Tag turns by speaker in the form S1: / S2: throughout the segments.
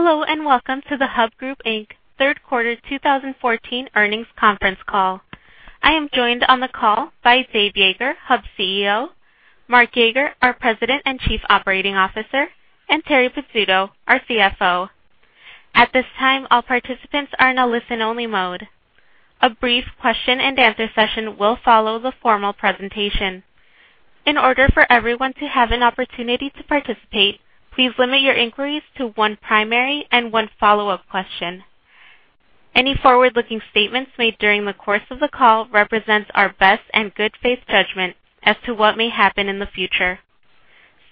S1: Hello, and welcome to the Hub Group Inc. Q3 2014 earnings conference call. I am joined on the call by Dave Yeager, Hub CEO, Mark Yeager, our President and Chief Operating Officer, and Terri Pizzuto, our CFO. At this time, all participants are in a listen-only mode. A brief question-and-answer session will follow the formal presentation. In order for everyone to have an opportunity to participate, please limit your inquiries to one primary and one follow-up question. Any forward-looking statements made during the course of the call represents our best and good faith judgment as to what may happen in the future.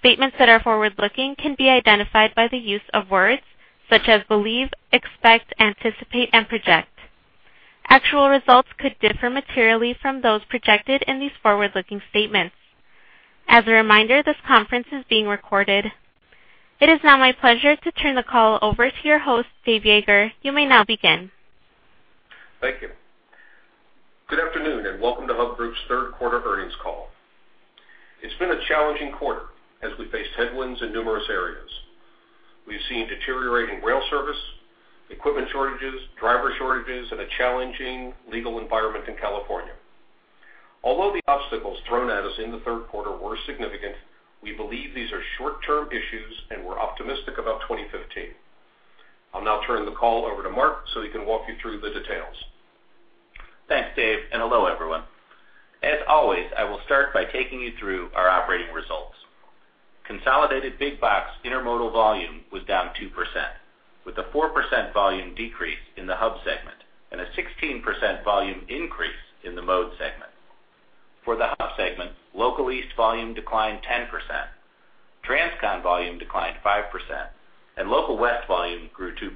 S1: Statements that are forward-looking can be identified by the use of words such as believe, expect, anticipate, and project. Actual results could differ materially from those projected in these forward-looking statements. As a reminder, this conference is being recorded. It is now my pleasure to turn the call over to your host, Dave Yeager. You may now begin.
S2: Thank you. Good afternoon, and welcome to Hub Group's Q3 earnings call. It's been a challenging quarter as we faced headwinds in numerous areas. We've seen deteriorating rail service, equipment shortages, driver shortages, and a challenging legal environment in California. Although the obstacles thrown at us in the Q3 were significant, we believe these are short-term issues, and we're optimistic about 2015. I'll now turn the call over to Mark so he can walk you through the details.
S3: Thanks, Dave, and hello, everyone. As always, I will start by taking you through our operating results. Consolidated big box intermodal volume was down 2%, with a 4% volume decrease in the Hub segment and a 16% volume increase in the Mode segment. For the Hub segment, local east volume declined 10%, Transcon volume declined 5%, and local west volume grew 2%.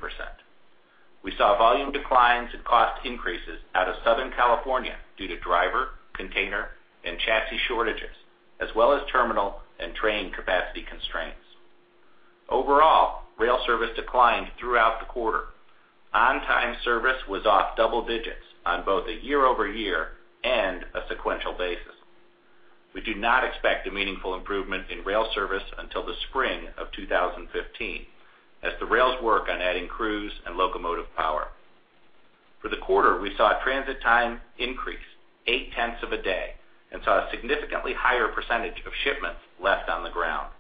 S3: We saw volume declines and cost increases out of Southern California due to driver, container, and chassis shortages, as well as terminal and train capacity constraints. Overall, rail service declined throughout the quarter. On-time service was off double digits on both a year-over-year and a sequential basis. We do not expect a meaningful improvement in rail service until the spring of 2015, as the rails work on adding crews and locomotive power. For the quarter, we saw a transit time increase, 0.8 of a day, and saw a significantly higher percentage of shipments left on the ground.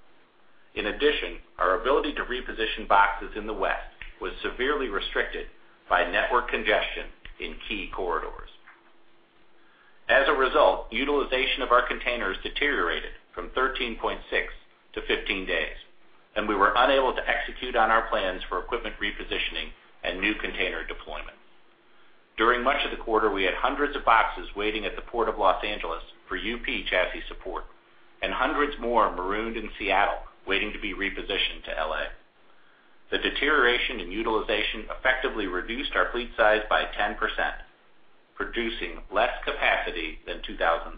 S3: In addition, our ability to reposition boxes in the West was severely restricted by network congestion in key corridors. As a result, utilization of our containers deteriorated from 13.6 to 15 days, and we were unable to execute on our plans for equipment repositioning and new container deployment. During much of the quarter, we had hundreds of boxes waiting at the Port of Los Angeles for UP chassis support and hundreds more marooned in Seattle, waiting to be repositioned to LA. The deterioration in utilization effectively reduced our fleet size by 10%, producing less capacity than 2013.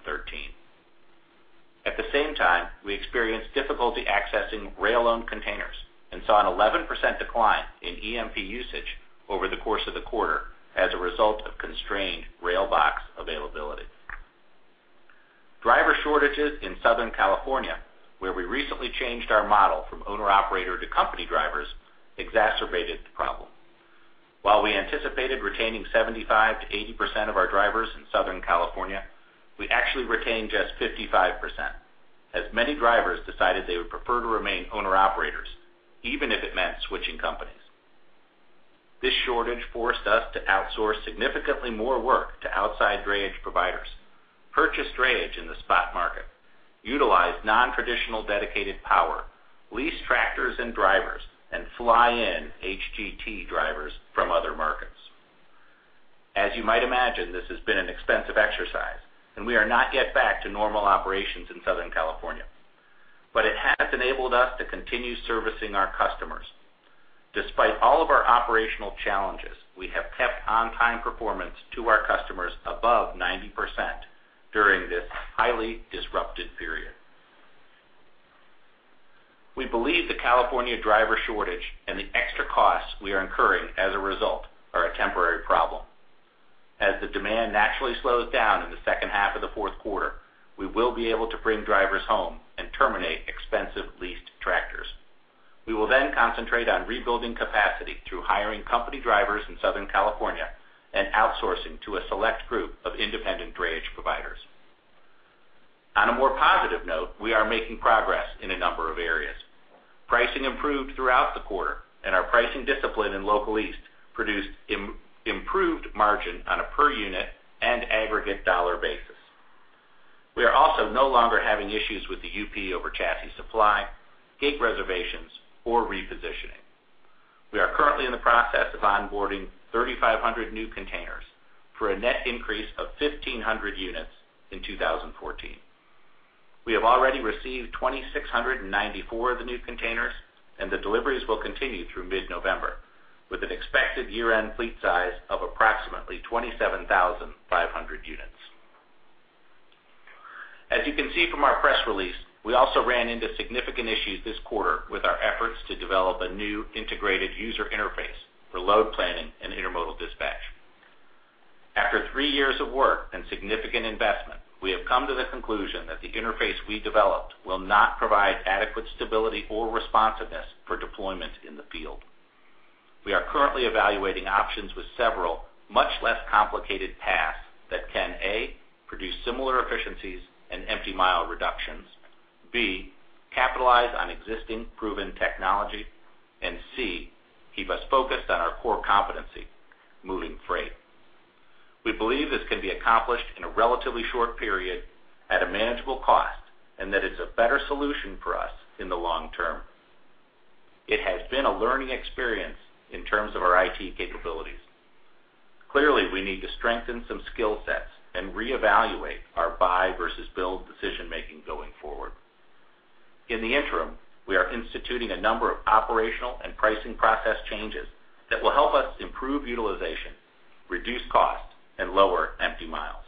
S3: At the same time, we experienced difficulty accessing rail-owned containers and saw an 11% decline in EMP usage over the course of the quarter as a result of constrained rail box availability. Driver shortages in Southern California, where we recently changed our model from owner-operator to company drivers, exacerbated the problem. While we anticipated retaining 75%-80% of our drivers in Southern California, we actually retained just 55%, as many drivers decided they would prefer to remain owner-operators, even if it meant switching companies. This shortage forced us to outsource significantly more work to outside drayage providers, purchase drayage in the spot market, utilize non-traditional dedicated power, lease tractors and drivers, and fly in HGT drivers from other markets. As you might imagine, this has been an expensive exercise, and we are not yet back to normal operations in Southern California, but it has enabled us to continue servicing our customers. Despite all of our operational challenges, we have kept on-time performance to our customers above 90% during this highly disrupted period. We believe the California driver shortage and the extra costs we are incurring as a result are a temporary problem. As the demand naturally slows down in the second half of the Q4, we will be able to bring drivers home and terminate expensive leased tractors. We will then concentrate on rebuilding capacity through hiring company drivers in Southern California and outsourcing to a select group of independent drayage providers. On a more positive note, we are making progress in a number of areas. Pricing improved throughout the quarter, and our pricing discipline in local east produced improved margin on a per-unit and aggregate dollar basis. We are also no longer having issues with the UP over chassis supply, gate reservations, or repositioning. We are currently in the process of onboarding 3,500 new containers for a net increase of 1,500 units in 2014. We have already received 2,694 of the new containers, and the deliveries will continue through mid-November, with an expected year-end fleet size of approximately 27,500 units. As you can see from our press release, we also ran into significant issues this quarter with our efforts to develop a new integrated user interface for load planning and intermodal dispatch. After three years of work and significant investment, we have come to the conclusion that the interface we developed will not provide adequate stability or responsiveness for deployment in the field. We are currently evaluating options with several much less complicated paths that can, A, produce similar efficiencies and empty mile reductions, B, capitalize on existing proven technology, and C, keep us focused on our core competency, moving freight. We believe this can be accomplished in a relatively short period at a manageable cost, and that it's a better solution for us in the long term. It has been a learning experience in terms of our IT capabilities. Clearly, we need to strengthen some skill sets and reevaluate our buy versus build decision-making going forward. In the interim, we are instituting a number of operational and pricing process changes that will help us improve utilization, reduce costs, and lower empty miles.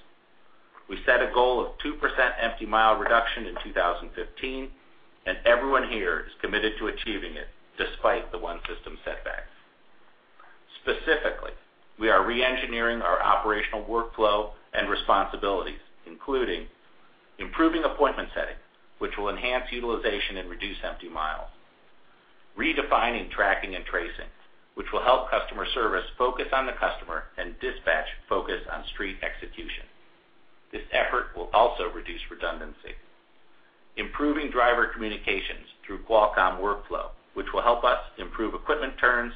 S3: We set a goal of 2% empty mile reduction in 2015, and everyone here is committed to achieving it, despite the one-system setbacks. Specifically, we are reengineering our operational workflow and responsibilities, including improving appointment setting, which will enhance utilization and reduce empty miles. Redefining tracking and tracing, which will help customer service focus on the customer and dispatch focus on street execution. This effort will also reduce redundancy. Improving driver communications through Qualcomm workflow, which will help us improve equipment turns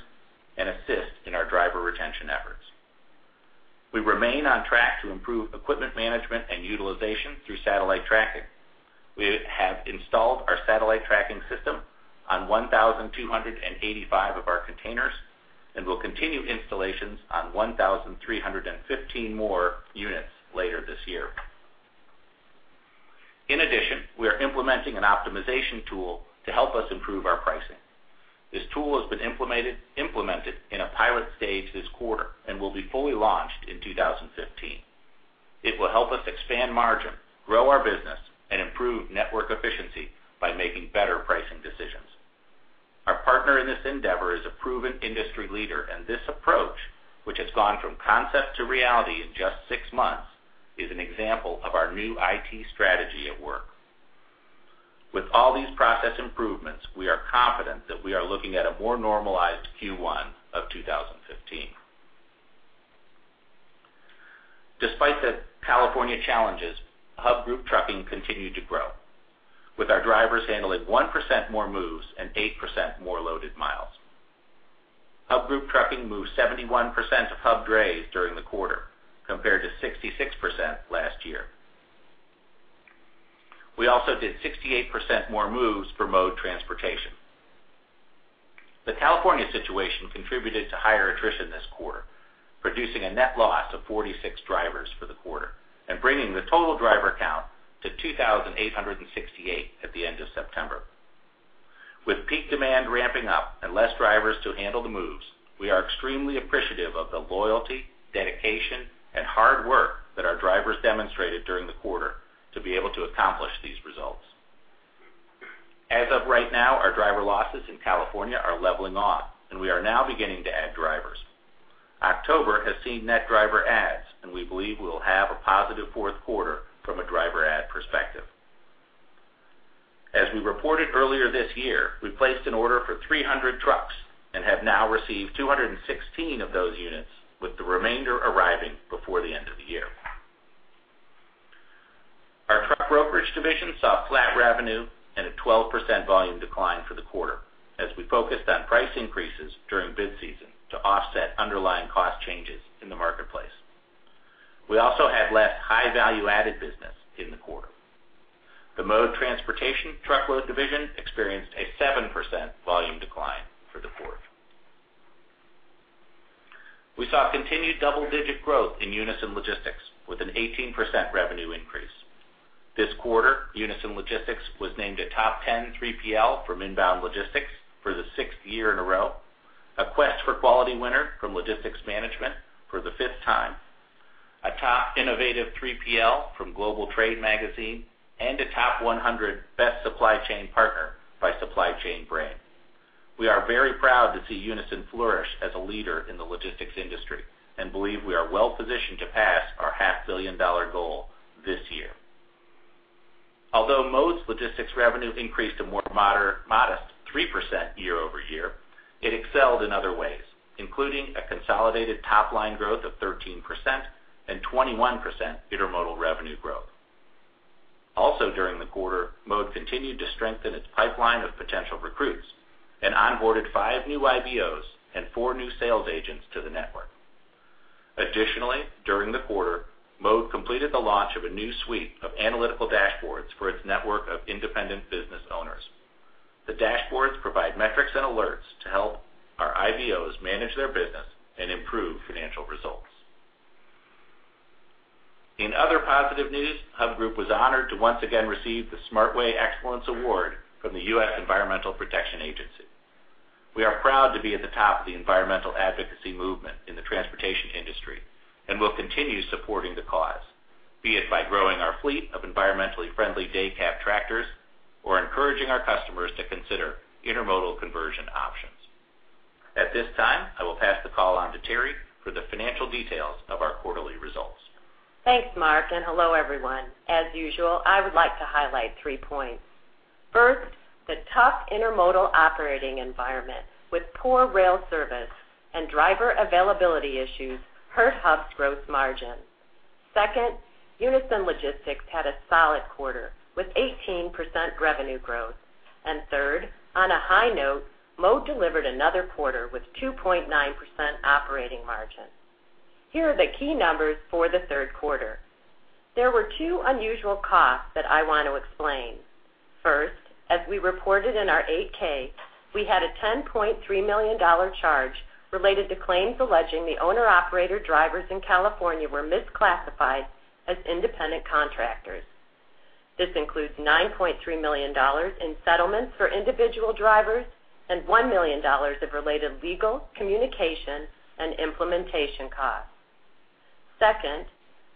S3: and assist in our driver retention efforts. We remain on track to improve equipment management and utilization through satellite tracking. We have installed our satellite tracking system on 1,285 of our containers, and will continue installations on 1,315 more units later this year. In addition, we are implementing an optimization tool to help us improve our pricing. This tool has been implemented in a pilot stage this quarter and will be fully launched in 2015. It will help us expand margin, grow our business, and improve network efficiency by making better pricing decisions. Our partner in this endeavor is a proven industry leader, and this approach, which has gone from concept to reality in just six months, is an example of our new IT strategy at work. With all these process improvements, we are confident that we are looking at a more normalized Q1 of 2015. Despite the California challenges, Hub Group Trucking continued to grow, with our drivers handling 1% more moves and 8% more loaded miles. Hub Group Trucking moved 71% of Hub drays during the quarter, compared to 66% last year. We also did 68% more moves for managed transportation. The California situation contributed to higher attrition this quarter, producing a net loss of 46 drivers for the quarter and bringing the total driver count to 2,868 at the end of September. With peak demand ramping up and less drivers to handle the moves, we are extremely appreciative of the loyalty, dedication, and hard work that our drivers demonstrated during the quarter to be able to accomplish these results. As of right now, our driver losses in California are leveling off, and we are now beginning to add drivers. October has seen net driver adds, and we believe we'll have a positive Q4 from a driver add perspective. As we reported earlier this year, we placed an order for 300 trucks and have now received 216 of those units, with the remainder arriving before the end of the year. Our truck brokerage division saw flat revenue and a 12% volume decline for the quarter, as we focused on price increases during bid season to offset underlying cost changes in the marketplace. We also had less high-value-added business in the quarter. The Mode Transportation truckload division experienced a 7% volume decline for the quarter. We saw continued double-digit growth in Unison Logistics, with an 18% revenue increase. This quarter, Unison Logistics was named a Top 10 3PL from Inbound Logistics for the 6th year in a row, a Quest for Quality winner from Logistics Management for the 5th time, a Top Innovative 3PL from Global Trade Magazine, and a Top 100 Best Supply Chain Partner by Supply Chain Brain. We are very proud to see Unison flourish as a leader in the logistics industry and believe we are well-positioned to pass our $500 million goal this year. Although Mode's logistics revenue increased a more modest 3% year-over-year, it excelled in other ways, including a consolidated top-line growth of 13% and 21% intermodal revenue growth. Also, during the quarter, Mode continued to strengthen its pipeline of potential recruits and onboarded 5 new IBOs and 4 new sales agents to the network. Additionally, during the quarter, Mode completed the launch of a new suite of analytical dashboards for its network of independent business owners. The dashboards provide metrics and alerts to help our IBOs manage their business and improve financial results. In other positive news, Hub Group was honored to once again receive the SmartWay Excellence Award from the U.S. Environmental Protection Agency. We are proud to be at the top of the environmental advocacy movement in the transportation industry and will continue supporting the cause, be it by growing our fleet of environmentally friendly day cab tractors or encouraging our customers to consider intermodal conversion options. At this time, I will pass the call on to Terri for the financial details of our quarterly results.
S4: Thanks, Mark, and hello, everyone. As usual, I would like to highlight three points. First, the tough intermodal operating environment with poor rail service and driver availability issues hurt Hub's gross margin. Second, Unison Logistics had a solid quarter, with 18% revenue growth. Third, on a high note, Mode delivered another quarter with 2.9% operating margin. Here are the key numbers for the third quarter. There were two unusual costs that I want to explain. First, as we reported in our 8-K, we had a $10.3 million charge related to claims alleging the owner-operator drivers in California were misclassified as independent contractors. This includes $9.3 million in settlements for individual drivers and $1 million of related legal, communication, and implementation costs. Second,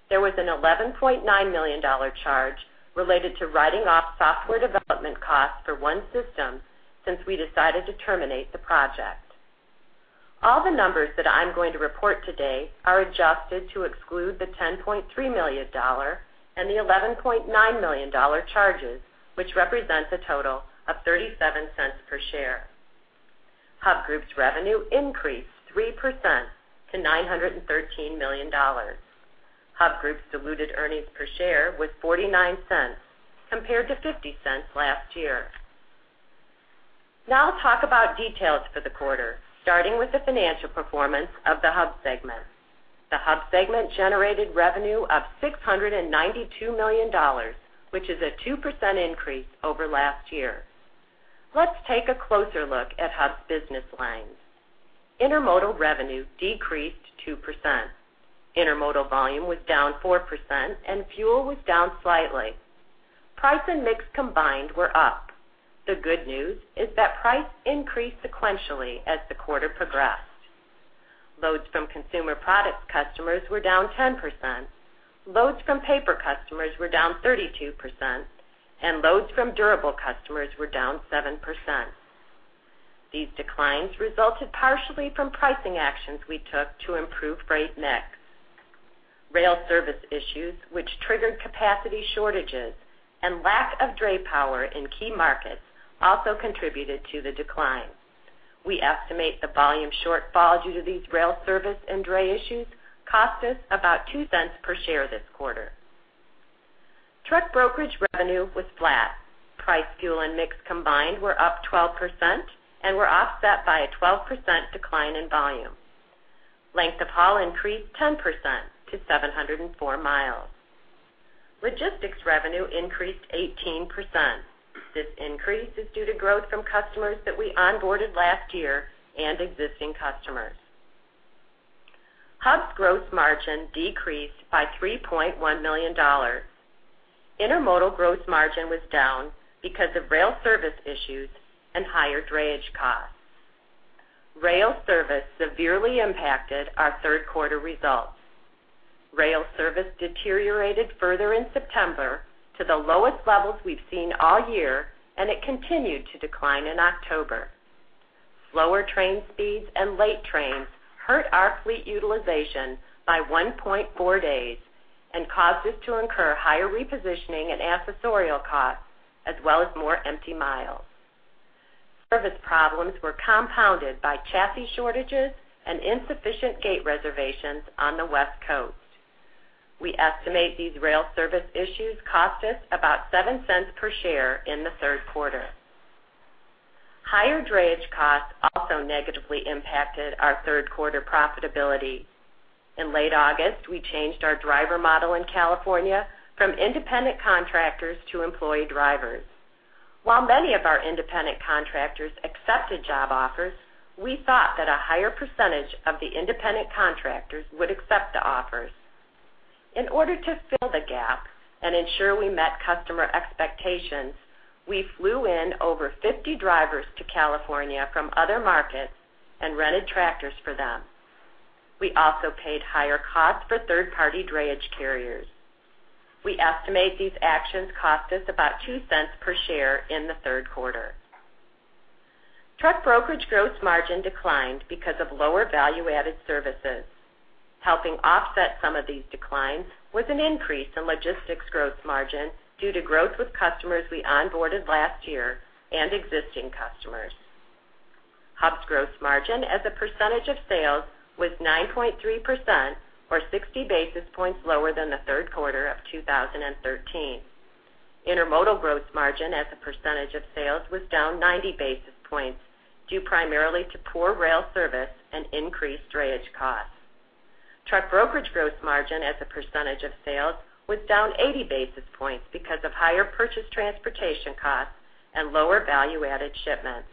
S4: there was an $11.9 million charge related to writing off software development costs for One System since we decided to terminate the project. All the numbers that I'm going to report today are adjusted to exclude the $10.3 million and the $11.9 million charges, which represent a total of $0.37 per share. Hub Group's revenue increased 3% to $913 million. Hub Group's diluted earnings per share was $0.49, compared to $0.50 last year. Now I'll talk about details for the quarter, starting with the financial performance of the Hub segment. The Hub segment generated revenue of $692 million, which is a 2% increase over last year. Let's take a closer look at Hub's business lines. Intermodal revenue decreased 2%. Intermodal volume was down 4%, and fuel was down slightly. Price and mix combined were up. The good news is that price increased sequentially as the quarter progressed. Loads from consumer products customers were down 10%, loads from paper customers were down 32%, and loads from durable customers were down 7%. These declines resulted partially from pricing actions we took to improve freight mix. Rail service issues, which triggered capacity shortages and lack of dray power in key markets, also contributed to the decline. We estimate the volume shortfall due to these rail service and dray issues cost us about $0.02 per share this quarter. Truck brokerage revenue was flat. Price, fuel, and mix combined were up 12% and were offset by a 12% decline in volume. Length of haul increased 10% to 704 miles. Logistics revenue increased 18%. This increase is due to growth from customers that we onboarded last year and existing customers. Hub's gross margin decreased by $3.1 million. Intermodal gross margin was down because of rail service issues and higher drayage costs. Rail service severely impacted ourQ3 results. Rail service deteriorated further in September to the lowest levels we've seen all year, and it continued to decline in October. Slower train speeds and late trains hurt our fleet utilization by 1.4 days and caused us to incur higher repositioning and accessorial costs, as well as more empty miles. Service problems were compounded by chassis shortages and insufficient gate reservations on the West Coast. We estimate these rail service issues cost us about $0.07 per share in the Q3. Higher drayage costs also negatively impacted our Q3 profitability. In late August, we changed our driver model in California from independent contractors to employee drivers. While many of our independent contractors accepted job offers, we thought that a higher percentage of the independent contractors would accept the offers. In order to fill the gap and ensure we met customer expectations, we flew in over 50 drivers to California from other markets and rented tractors for them. We also paid higher costs for third-party drayage carriers. We estimate these actions cost us about $0.02 per share in the Q3. Truck brokerage gross margin declined because of lower value-added services. Helping offset some of these declines was an increase in logistics gross margin due to growth with customers we onboarded last year and existing customers. Hub's gross margin as a percentage of sales was 9.3%, or 60 basis points lower than the Q3 of 2013. Intermodal gross margin as a percentage of sales was down 90 basis points due primarily to poor rail service and increased drayage costs. Truck brokerage gross margin as a percentage of sales was down 80 basis points because of higher purchase transportation costs and lower value-added shipments.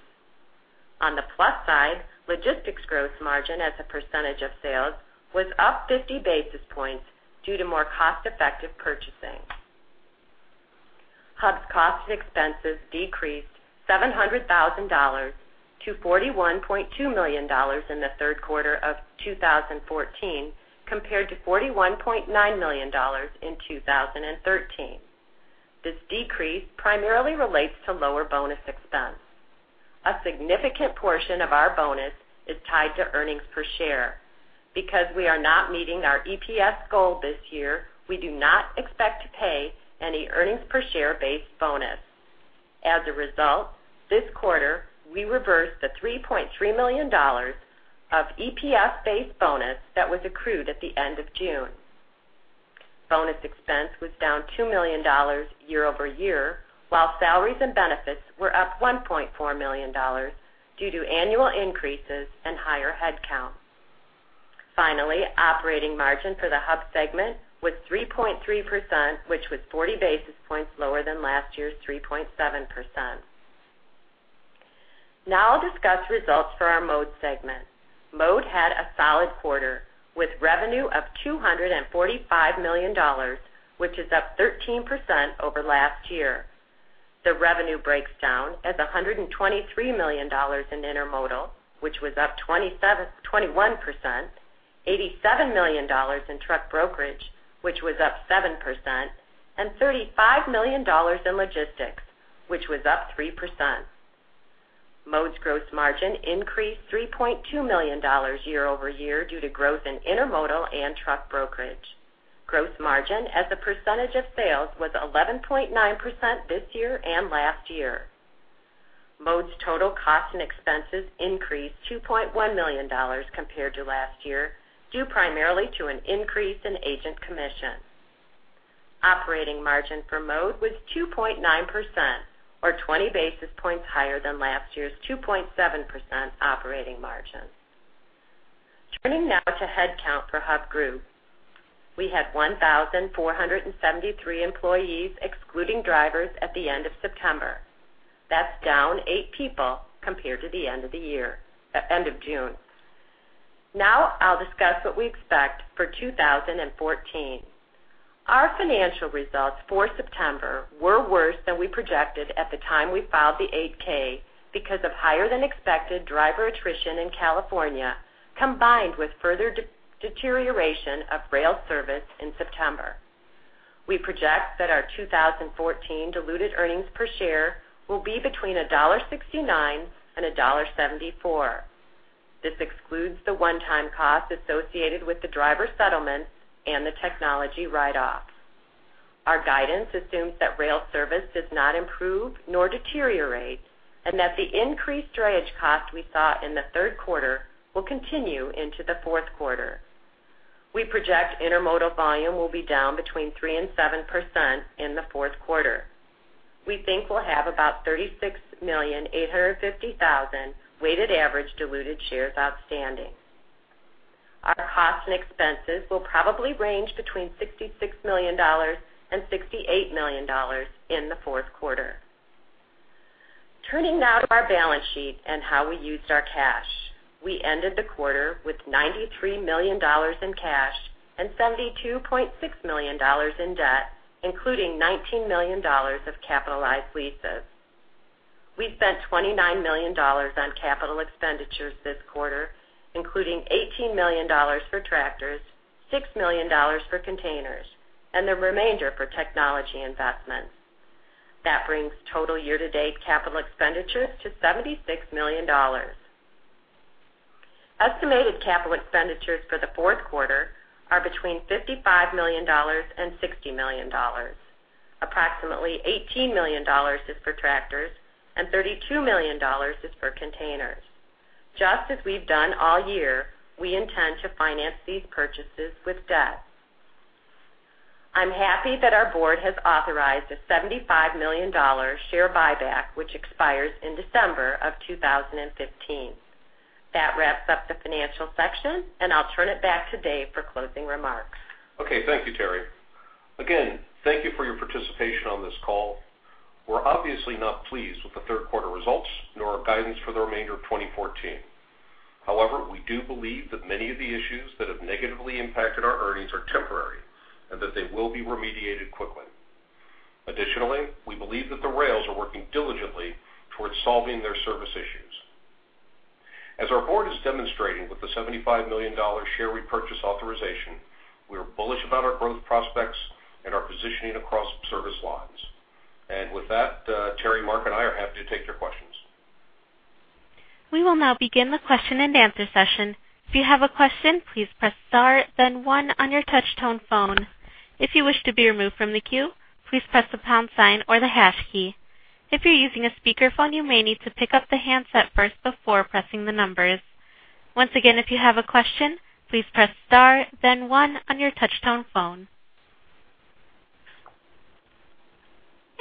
S4: On the plus side, logistics gross margin as a percentage of sales was up 50 basis points due to more cost-effective purchasing. Hub's costs and expenses decreased $700,000 - $41.2 million in the Q3 of 2014, compared to $41.9 million in 2013. This decrease primarily relates to lower bonus expense. A significant portion of our bonus is tied to earnings per share. Because we are not meeting our EPS goal this year, we do not expect to pay any earnings per share-based bonus. As a result, this quarter, we reversed the $3.3 million of EPS-based bonus that was accrued at the end of June. Bonus expense was down $2 million year-over-year, while salaries and benefits were up $1.4 million due to annual increases and higher headcount. Finally, operating margin for the Hub segment was 3.3%, which was 40 basis points lower than last year's 3.7%. Now I'll discuss results for our Mode segment. Mode had a solid quarter, with revenue of $245 million, which is up 13% over last year. The revenue breaks down as $123 million in intermodal, which was up 21%, $87 million in truck brokerage, which was up 7%, and $35 million in logistics, which was up 3%. Mode's gross margin increased $3.2 million year-over-year due to growth in intermodal and truck brokerage. Gross margin as a percentage of sales was 11.9% this year and last year. Mode's total costs and expenses increased $2.1 million compared to last year, due primarily to an increase in agent commissions. Operating margin for Mode was 2.9%, or 20 basis points higher than last year's 2.7% operating margin. Turning now to headcount for Hub Group. We had 1,473 employees, excluding drivers, at the end of September. That's down 8 people compared to the end of the year, end of June. Now I'll discuss what we expect for 2014. Our financial results for September were worse than we projected at the time we filed the 8-K, because of higher-than-expected driver attrition in California, combined with further deterioration of rail service in September. We project that our 2014 diluted earnings per share will be between $1.69 and $1.74. This excludes the one-time costs associated with the driver settlement and the technology write-off. Our guidance assumes that rail service does not improve nor deteriorate, and that the increased storage cost we saw in the Q3 will continue into the Q4. We project intermodal volume will be down between 3% and 7% in theQ4. We think we'll have about 36,850,000 weighted average diluted shares outstanding. Our costs and expenses will probably range between $66 million and $68 million in the Q4. Turning now to our balance sheet and how we used our cash. We ended the quarter with $93 million in cash and $72.6 million in debt, including $19 million of capitalized leases. We spent $29 million on capital expenditures this quarter, including $18 million for tractors, $6 million for containers, and the remainder for technology investments. That brings total year-to-date capital expenditures to $76 million. Estimated capital expenditures for the Q4 are between $55 million and $60 million. Approximately $18 million is for tractors and $32 million is for containers. Just as we've done all year, we intend to finance these purchases with debt. I'm happy that our board has authorized a $75 million share buyback, which expires in December of 2015. That wraps up the financial section, and I'll turn it back to Dave for closing remarks.
S2: Okay, thank you, Terri. Again, thank you for your participation on this call. We're obviously not pleased with the Q3 results, nor our guidance for the remainder of 2014. However, we do believe that many of the issues that have negatively impacted our earnings are temporary and that they will be remediated quickly. Additionally, we believe that the rails are working diligently towards solving their service issues. As our board is demonstrating with the $75 million share repurchase authorization, we are bullish about our growth prospects and our positioning across service lines. And with that, Terri, Mark, and I are happy to take your questions.
S1: We will now begin the question-and-answer session. If you have a question, please press star, then one on your touchtone phone. If you wish to be removed from the queue, please press the pound sign or the hash key. If you're using a speakerphone, you may need to pick up the handset first before pressing the numbers. Once again, if you have a question, please press star, then one on your touchtone phone.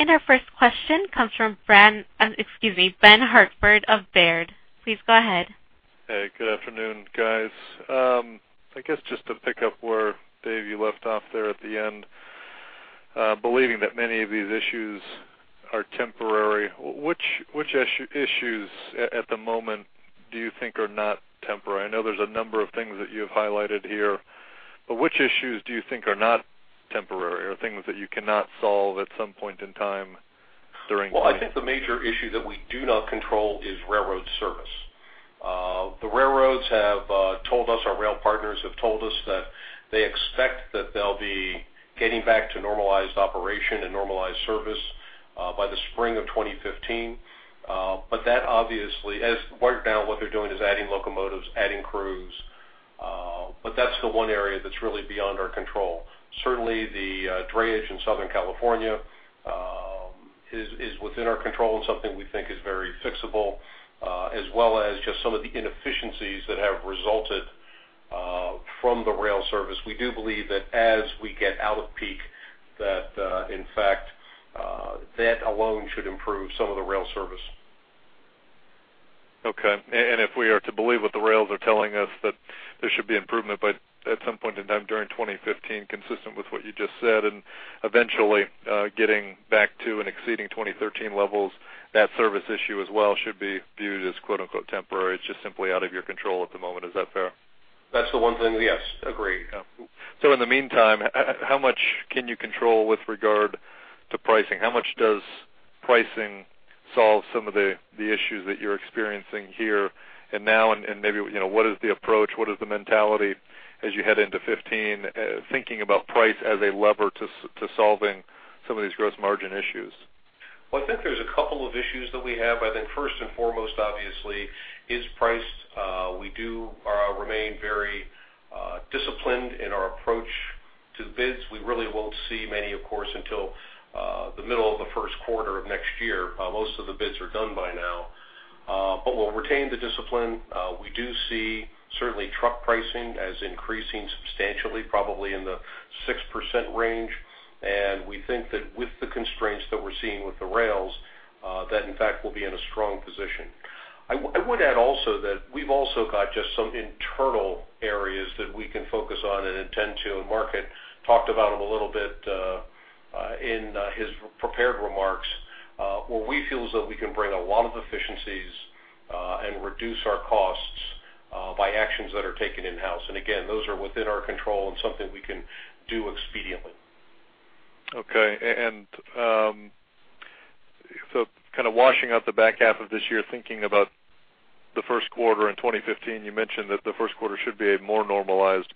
S1: Our first question comes from Ben Hartford of Baird. Please go ahead.
S5: Hey, good afternoon, guys. I guess just to pick up where, Dave, you left off there at the end, believing that many of these issues are temporary, which issues at the moment do you think are not temporary? I know there's a number of things that you have highlighted here, but which issues do you think are not temporary or things that you cannot solve at some point in time?
S2: ...Well, I think the major issue that we do not control is railroad service. The railroads have told us, our rail partners have told us that they expect that they'll be getting back to normalized operation and normalized service by the spring of 2015. But that obviously, as right now, what they're doing is adding locomotives, adding crews, but that's the one area that's really beyond our control. Certainly, the drayage in Southern California is within our control and something we think is very fixable, as well as just some of the inefficiencies that have resulted from the rail service. We do believe that as we get out of peak, that in fact that alone should improve some of the rail service.
S5: Okay. And if we are to believe what the rails are telling us, that there should be improvement, but at some point in time during 2015, consistent with what you just said, and eventually getting back to and exceeding 2013 levels, that service issue as well should be viewed as quote-unquote temporary. It's just simply out of your control at the moment. Is that fair?
S2: That's the one thing, yes, agreed.
S5: Yeah. So in the meantime, how much can you control with regard to pricing? How much does pricing solve some of the issues that you're experiencing here and now, and maybe, you know, what is the approach? What is the mentality as you head into 2015, thinking about price as a lever to solving some of these gross margin issues?
S2: Well, I think there's a couple of issues that we have. I think first and foremost, obviously, is price. We do remain very disciplined in our approach to the bids. We really won't see many, of course, until the middle of the Q1 of next year. Most of the bids are done by now, but we'll retain the discipline. We do see certainly truck pricing as increasing substantially, probably in the 6% range. And we think that with the constraints that we're seeing with the rails, that in fact, we'll be in a strong position. I would add also that we've also got just some internal areas that we can focus on and intend to, and Mark had talked about them a little bit in his prepared remarks. Where we feel as though we can bring a lot of efficiencies, and reduce our costs, by actions that are taken in-house. Again, those are within our control and something we can do expediently.
S5: Okay. And, so kind of washing out the back half of this year, thinking about the Q1 in 2015, you mentioned that the Q1 should be a more normalized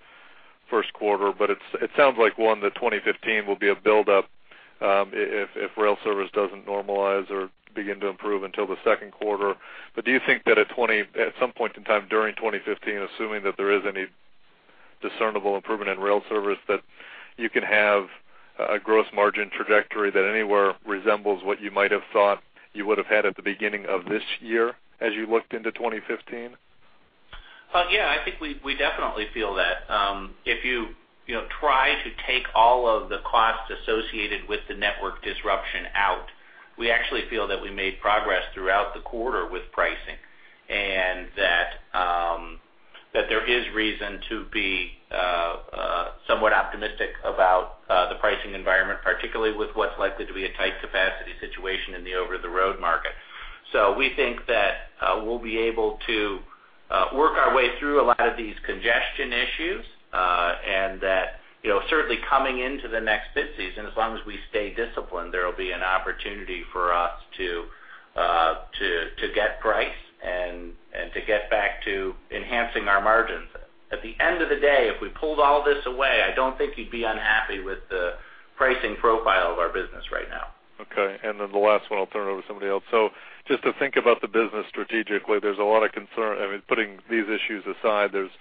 S5: Q1, but it sounds like that 2015 will be a build up, if rail service doesn't normalize or begin to improve until the Q2. But do you think that at some point in time during 2015, assuming that there is any discernible improvement in rail service, that you can have a gross margin trajectory that anywhere resembles what you might have thought you would have had at the beginning of this year, as you looked into 2015?
S3: Yeah, I think we definitely feel that. If you know, try to take all of the costs associated with the network disruption out, we actually feel that we made progress throughout the quarter with pricing, and that there is reason to be somewhat optimistic about the pricing environment, particularly with what's likely to be a tight capacity situation in the over-the-road market. So we think that we'll be able to work our way through a lot of these congestion issues, and that you know, certainly coming into the next bid season, as long as we stay disciplined, there will be an opportunity for us to to get price and to get back to enhancing our margins. At the end of the day, if we pulled all this away, I don't think you'd be unhappy with the pricing profile of our business right now.
S5: Okay, and then the last one, I'll turn it over to somebody else. So just to think about the business strategically, there's a lot of concern - I mean, putting these issues aside, there's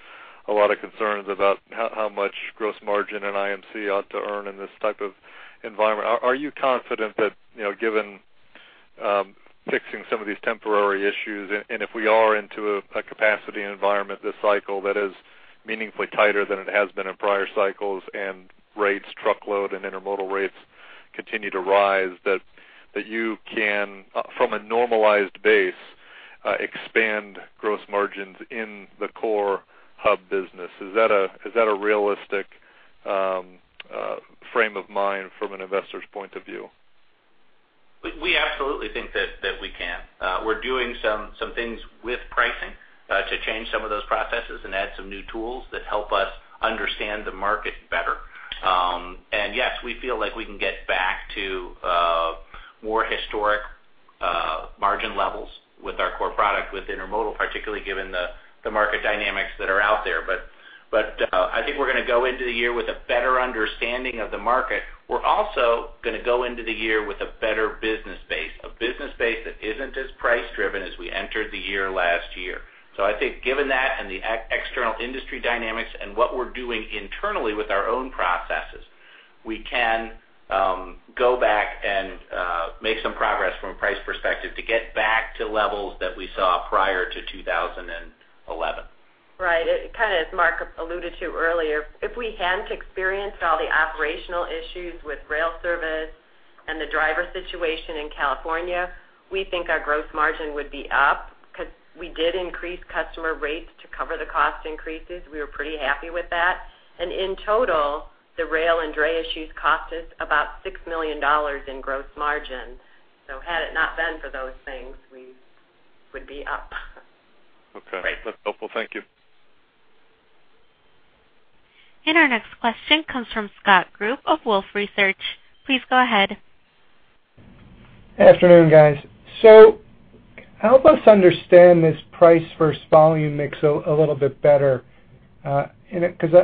S5: a lot of concerns about how much gross margin and IMC ought to earn in this type of environment. Are you confident that, you know, given fixing some of these temporary issues, and if we are into a capacity environment this cycle that is meaningfully tighter than it has been in prior cycles, and rates, truckload, and intermodal rates continue to rise, that you can, from a normalized base, expand gross margins in the core hub business? Is that a realistic frame of mind from an investor's point of view?
S3: We absolutely think that we can. We're doing some things with pricing to change some of those processes and add some new tools that help us understand the market better. And yes, we feel like we can get back to more historic margin levels with our core product, with intermodal, particularly given the market dynamics that are out there. But I think we're gonna go into the year with a better understanding of the market. We're also gonna go into the year with a better business base, a business base that isn't as price-driven as we entered the year last year. I think given that and the external industry dynamics and what we're doing internally with our own processes, we can go back and make some progress from a price perspective to get back to levels that we saw prior to 2011.
S4: Right. It kind of, as Mark alluded to earlier, if we hadn't experienced all the operational issues with rail service and the driver situation in California, we think our gross margin would be up because we did increase customer rates to cover the cost increases. We were pretty happy with that. In total, the rail and dray issues cost us about $6 million in gross margin. Had it not been for those things, we would be up.
S5: Okay. That's helpful. Thank you.
S1: Our next question comes from Scott Group of Wolfe Research. Please go ahead.
S6: Good afternoon, guys. So help us understand this price versus volume mix a little bit better. And because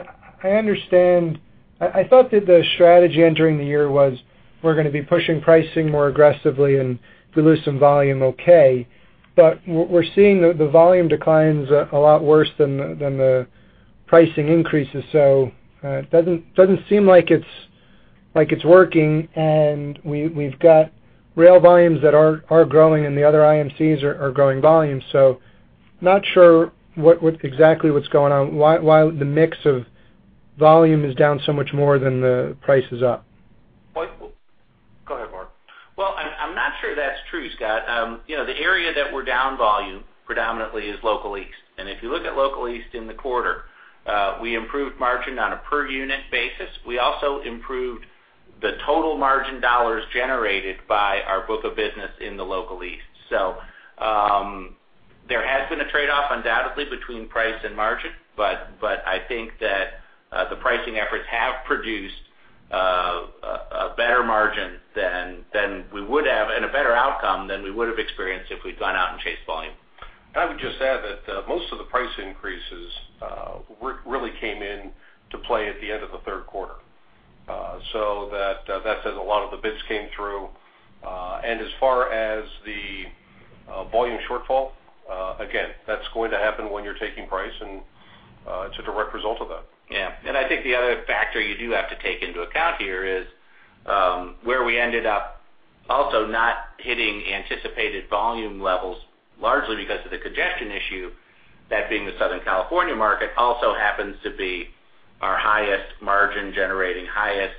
S6: I understand, I thought that the strategy entering the year was we're going to be pushing pricing more aggressively, and if we lose some volume, okay. But we're seeing the volume declines a lot worse than the pricing increases. So, it doesn't seem like it's working. And we've got rail volumes that are growing, and the other IMCs are growing volumes. So not sure what exactly what's going on, why the mix of volume is down so much more than the price is up.
S2: Well, go ahead, Mark.
S3: Well, I'm not sure that's true, Scott. You know, the area that we're down volume predominantly is local east. And if you look at local east in the quarter, we improved margin on a per unit basis. We also improved the total margin dollars generated by our book of business in the local east. So, there has been a trade-off undoubtedly between price and margin, but I think that the pricing efforts have produced a better margin than we would have and a better outcome than we would have experienced if we'd gone out and chased volume.
S2: And I would just add that, most of the price increases, really came into play at the end of the Q3. So that, that says a lot of the bids came through. And as far as the, volume shortfall, again, that's going to happen when you're taking price, and, it's a direct result of that.
S3: Yeah. And I think the other factor you do have to take into account here is, where we ended up also not hitting anticipated volume levels, largely because of the congestion issue, that being the Southern California market, also happens to be our highest margin generating, highest,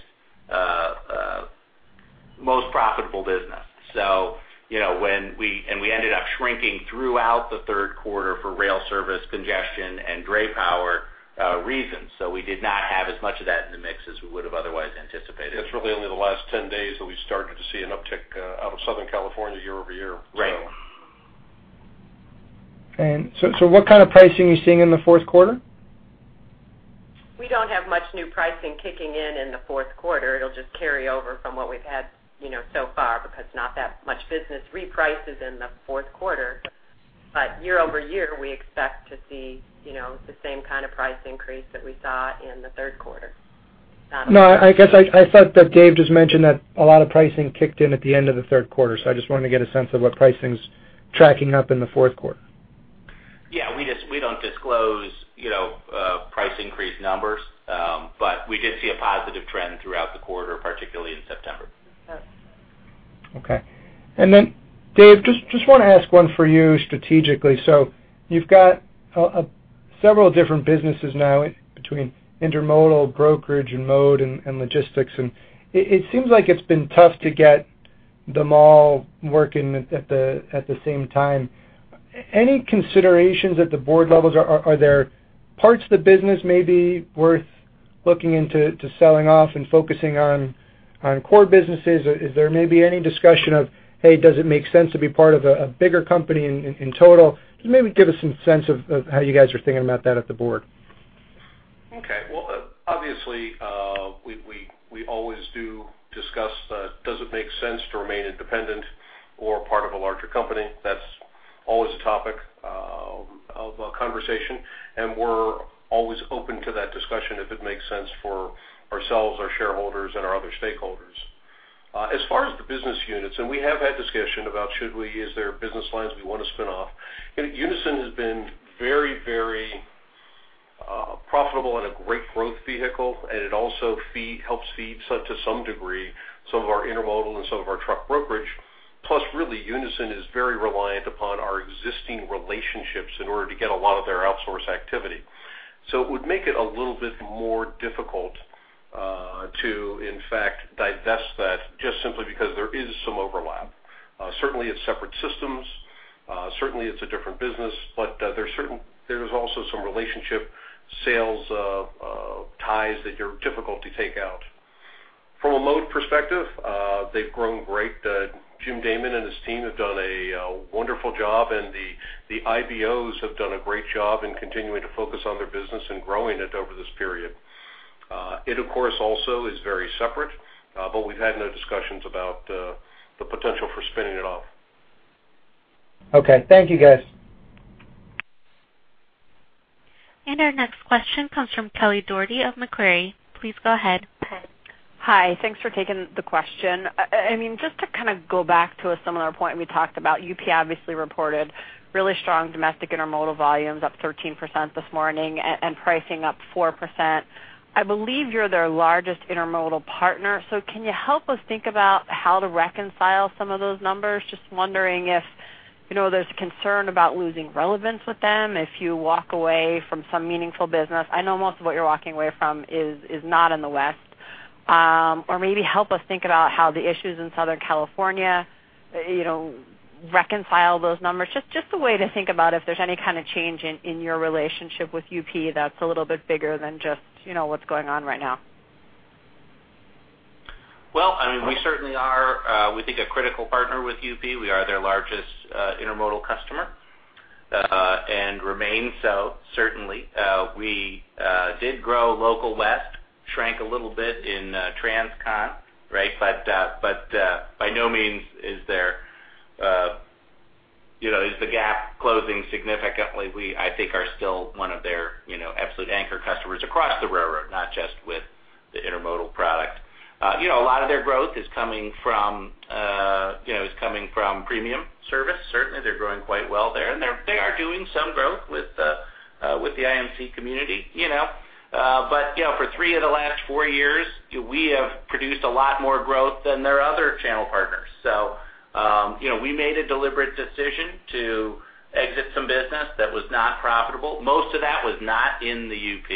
S3: most profitable business. So, you know, when we- and we ended up shrinking throughout the Q3 for rail service congestion and dray power, reasons, so we did not have as much of that in the mix as we would have otherwise anticipated.
S2: It's really only the last 10 days that we started to see an uptick, out of Southern California year-over-year.
S3: Right.
S6: What kind of pricing are you seeing in the Q4?
S4: We don't have much new pricing kicking in, in the Q4. It'll just carry over from what we've had, you know, so far, because not that much business reprices in the Q4. But year-over-year, we expect to see, you know, the same kind of price increase that we saw in the Q3.
S6: No, I guess I thought that Dave just mentioned that a lot of pricing kicked in at the end of the Q3, so I just wanted to get a sense of what pricing is tracking up in the Q4.
S2: Yeah, we just, we don't disclose, you know, price increase numbers. But we did see a positive trend throughout the quarter, particularly in September.
S4: Yes.
S6: Okay. And then, Dave, just want to ask one for you strategically. So you've got several different businesses now between intermodal, brokerage, and modal and logistics, and it seems like it's been tough to get them all working at the same time. Any considerations at the board levels? Are there parts of the business maybe worth looking into selling off and focusing on core businesses? Is there maybe any discussion of, hey, does it make sense to be part of a bigger company in total? Just maybe give us some sense of how you guys are thinking about that at the board.
S2: Okay. Well, obviously, we always do discuss, does it make sense to remain independent or part of a larger company? That's always a topic of conversation, and we're always open to that discussion if it makes sense for ourselves, our shareholders, and our other stakeholders. As far as the business units, we have had discussion about should we, is there business lines we want to spin off? Unison has been very, very profitable and a great growth vehicle, and it also helps feed, so to some degree, some of our intermodal and some of our truck brokerage. Plus, really, Unison is very reliant upon our existing relationships in order to get a lot of their outsource activity. So it would make it a little bit more difficult to in fact divest that just simply because there is some overlap. Certainly, it's separate systems, certainly, it's a different business, but there's also some relationship sales ties that are difficult to take out. From a mode perspective, they've grown great. Jim Damman and his team have done a wonderful job, and the IBOs have done a great job in continuing to focus on their business and growing it over this period. It, of course, also is very separate, but we've had no discussions about the potential for spinning it off.
S6: Okay. Thank you, guys.
S1: Our next question comes from Kelly Dougherty of Macquarie. Please go ahead.
S7: Hi. Thanks for taking the question. I mean, just to kind of go back to a similar point, we talked about UP obviously reported really strong domestic intermodal volumes, up 13% this morning, and pricing up 4%. I believe you're their largest intermodal partner, so can you help us think about how to reconcile some of those numbers? Just wondering if, you know, there's concern about losing relevance with them if you walk away from some meaningful business. I know most of what you're walking away from is not in the West. Or maybe help us think about how the issues in Southern California, you know, reconcile those numbers. Just a way to think about if there's any kind of change in your relationship with UP that's a little bit bigger than just, you know, what's going on right now.
S3: .Well, I mean, we certainly are, we think a critical partner with UP. We are their largest, intermodal customer, and remain so, certainly. We did grow local west, shrank a little bit in transcon, right? But, but, by no means is there, you know, is the gap closing significantly. We, I think, are still one of their, you know, absolute anchor customers across the railroad, not just with the intermodal product. You know, a lot of their growth is coming from, you know, is coming from premium service. Certainly, they're growing quite well there, and they're, they are doing some growth with the, with the IMC community, you know. But, you know, for three of the last four years, we have produced a lot more growth than their other channel partners. So, you know, we made a deliberate decision to exit some business that was not profitable. Most of that was not in the UP.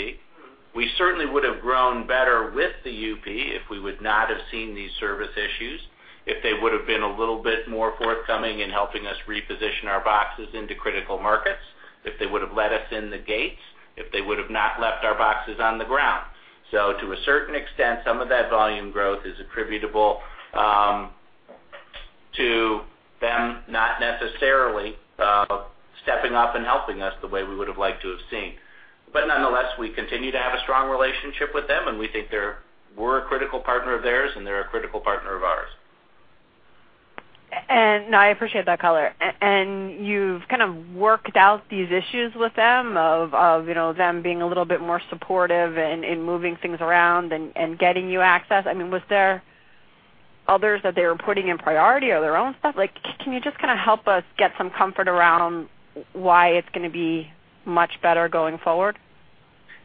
S3: We certainly would have grown better with the UP if we would not have seen these service issues, if they would have been a little bit more forthcoming in helping us reposition our boxes into critical markets, if they would have let us in the gates, if they would have not left our boxes on the ground. So to a certain extent, some of that volume growth is attributable to them not necessarily stepping up and helping us the way we would have liked to have seen. But nonetheless, we continue to have a strong relationship with them, and we think they're- we're a critical partner of theirs, and they're a critical partner of ours.
S7: I appreciate that color. And you've kind of worked out these issues with them of, you know, them being a little bit more supportive in moving things around and getting you access. I mean, was there others that they were putting in priority or their own stuff? Like, can you just kind of help us get some comfort around why it's going to be much better going forward?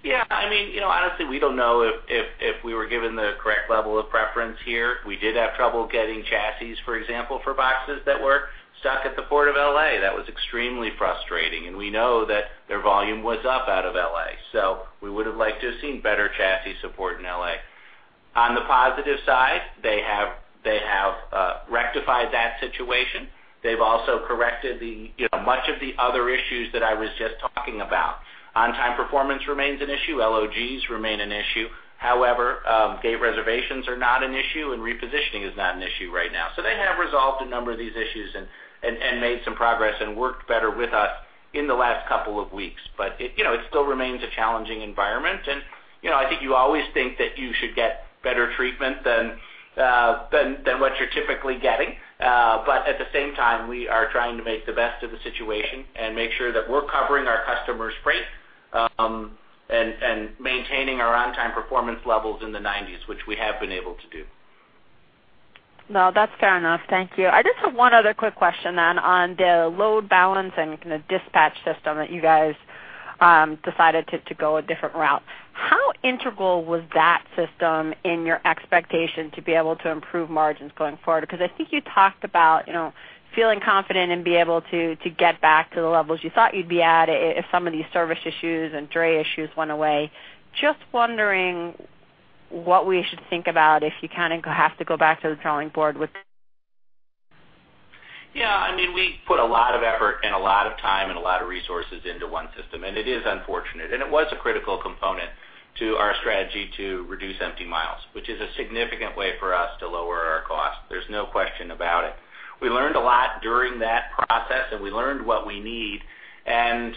S3: Yeah, I mean, you know, honestly, we don't know if we were given the correct level of preference here. We did have trouble getting chassis, for example, for boxes that were stuck at the port of L.A. That was extremely frustrating, and we know that their volume was up out of L.A., so we would have liked to have seen better chassis support in L.A. On the positive side, they have rectified that situation. They've also corrected the, you know, much of the other issues that I was just talking about. On-time performance remains an issue, LOGs remain an issue. However, gate reservations are not an issue, and repositioning is not an issue right now. So they have resolved a number of these issues and made some progress and worked better with us in the last couple of weeks. But it, you know, it still remains a challenging environment, and, you know, I think you always think that you should get better treatment than what you're typically getting. But at the same time, we are trying to make the best of the situation and make sure that we're covering our customers freight, and maintaining our on-time performance levels in the 90s, which we have been able to do.
S7: No, that's fair enough. Thank you. I just have one other quick question then, on the load balance and kind of dispatch system that you guys decided to go a different route. How integral was that system in your expectation to be able to improve margins going forward? Because I think you talked about, you know, feeling confident and be able to get back to the levels you thought you'd be at if some of these service issues and dray issues went away. Just wondering what we should think about if you kind of have to go back to the drawing board with?
S3: Yeah, I mean, we put a lot of effort and a lot of time and a lot of resources into one system, and it is unfortunate, and it was a critical component to our strategy to reduce empty miles, which is a significant way for us to lower our costs. There's no question about it. We learned a lot during that process, and we learned what we need. And,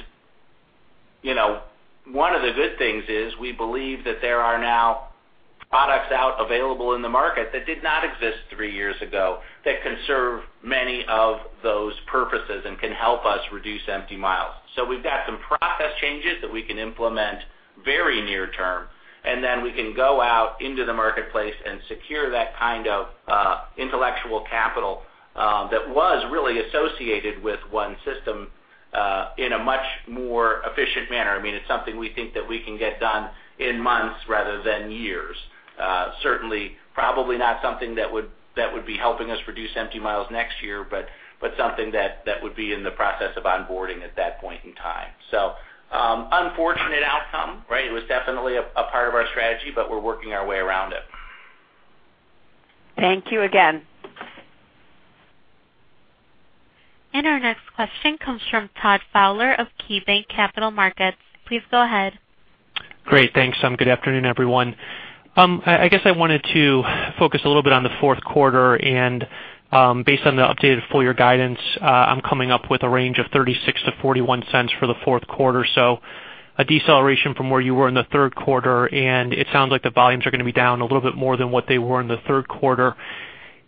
S3: you know, one of the good things is we believe that there are now products out available in the market that did not exist three years ago, that can serve many of those purposes and can help us reduce empty miles. So we've got some process changes that we can implement very near term, and then we can go out into the marketplace and secure that kind of intellectual capital that was really associated with one system in a much more efficient manner. I mean, it's something we think that we can get done in months rather than years. Certainly, probably not something that would be helping us reduce empty miles next year, but something that would be in the process of onboarding at that point in time. So, unfortunate outcome, right? It was definitely a part of our strategy, but we're working our way around it.
S7: Thank you again.
S1: Our next question comes from Todd Fowler of KeyBanc Capital Markets. Please go ahead.
S8: Great, thanks. Good afternoon, everyone. I guess I wanted to focus a little bit on the Q4, and based on the updated full year guidance, I'm coming up with a range of $0.36-$0.41 for the Q4. So a deceleration from where you were in the Q3, and it sounds like the volumes are going to be down a little bit more than what they were in the Q3.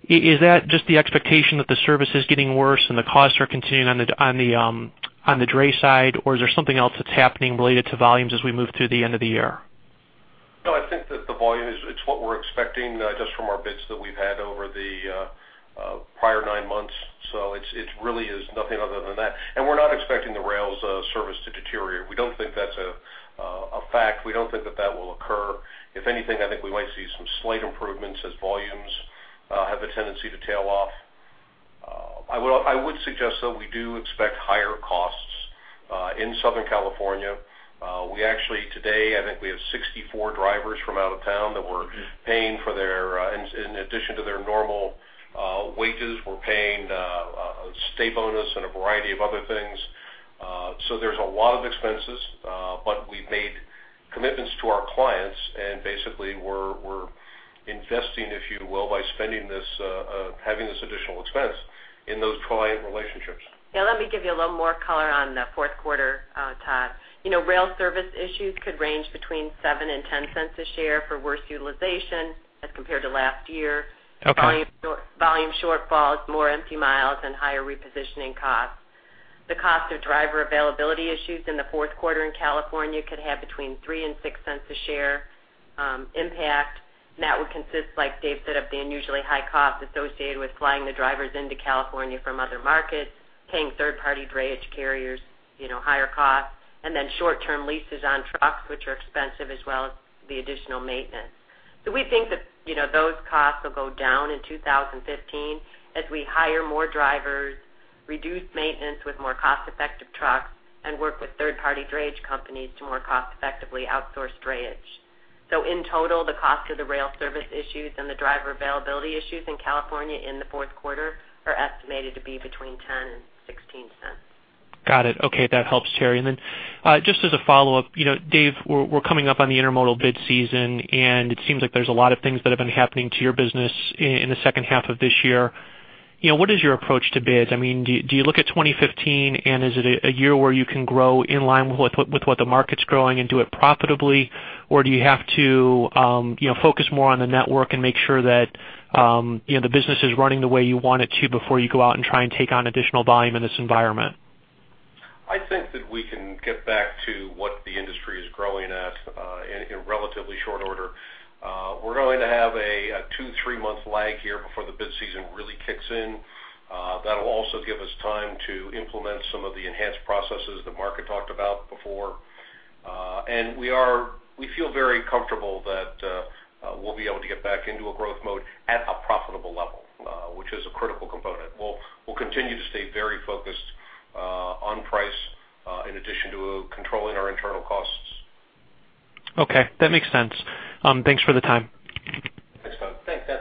S8: Is that just the expectation that the service is getting worse and the costs are continuing on the dray side, or is there something else that's happening related to volumes as we move through the end of the year?
S2: No, I think that the volume is, it's what we're expecting, just from our bids that we've had over the prior nine months. So it's, it's really is nothing other than that. And we're not expecting the rails service to deteriorate. We don't think that's a fact. We don't think that that will occur. If anything, I think we might see some slight improvements as volumes have a tendency to tail off. I would suggest, though, we do expect higher costs in Southern California. We actually today, I think we have 64 drivers from out of town that we're paying for their, in, in addition to their normal wages, we're paying a stay bonus and a variety of other things... So there's a lot of expenses, but we've made commitments to our clients, and basically, we're investing, if you will, by spending this, having this additional expense in those client relationships.
S4: Yeah, let me give you a little more color on the Q4, Todd. You know, rail service issues could range between $0.07 and $0.10 a share for worse utilization as compared to last year.
S8: Okay.
S4: Volume shortfalls, more empty miles and higher repositioning costs. The cost of driver availability issues in the Q4 in California could have between $0.03 and $0.06 a share impact, and that would consist, like Dave said, of the unusually high costs associated with flying the drivers into California from other markets, paying third-party drayage carriers, you know, higher costs, and then short-term leases on trucks, which are expensive, as well as the additional maintenance. So we think that, you know, those costs will go down in 2015 as we hire more drivers, reduce maintenance with more cost-effective trucks, and work with third-party drayage companies to more cost effectively outsource drayage. So in total, the cost of the rail service issues and the driver availability issues in California in the Q4 are estimated to be between $0.10 and $0.16.
S8: Got it. Okay, that helps, Terri. And then, just as a follow-up, you know, Dave, we're coming up on the intermodal bid season, and it seems like there's a lot of things that have been happening to your business in the second half of this year. You know, what is your approach to bids? I mean, do you look at 2015, and is it a year where you can grow in line with what the market's growing and do it profitably? Or do you have to, you know, focus more on the network and make sure that, you know, the business is running the way you want it to before you go out and try and take on additional volume in this environment?
S2: I think that we can get back to what the industry is growing at, in relatively short order. We're going to have a 2-3-month lag here before the bid season really kicks in. That'll also give us time to implement some of the enhanced processes that Mark had talked about before. And we feel very comfortable that we'll be able to get back into a growth mode at a profitable level, which is a critical component. We'll continue to stay very focused on price in addition to controlling our internal costs.
S8: Okay, that makes sense. Thanks for the time.
S2: Thanks, Todd.
S3: Thanks, Todd.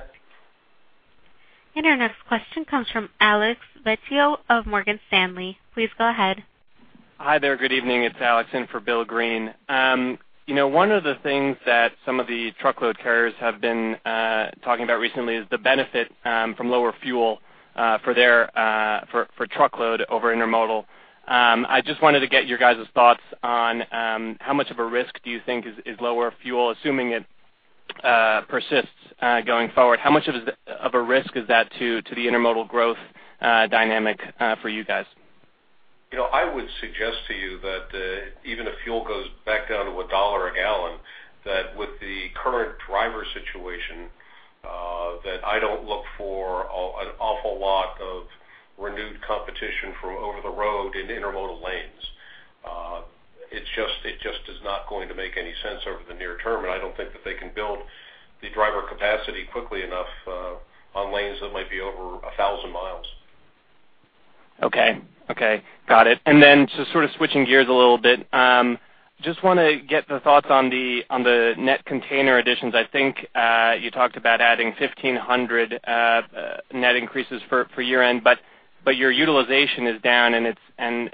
S1: Our next question comes from Alex Vecchio of Morgan Stanley. Please go ahead.
S9: Hi there. Good evening, it's Alex in for Bill Greene. You know, one of the things that some of the truckload carriers have been talking about recently is the benefit from lower fuel for truckload over intermodal. I just wanted to get your guys' thoughts on how much of a risk do you think is lower fuel, assuming it persists going forward? How much of a risk is that to the intermodal growth dynamic for you guys?
S2: You know, I would suggest to you that, even if fuel goes back down to $1 a gal, that with the current driver situation, that I don't look for an awful lot of renewed competition from over the road in intermodal lanes. It's just, it just is not going to make any sense over the near term, and I don't think that they can build the driver capacity quickly enough, on lanes that might be over 1,000 mi.
S9: Okay. Okay, got it. And then just sort of switching gears a little bit, just want to get the thoughts on the net container additions. I think you talked about adding 1,500 net increases for year-end, but your utilization is down, and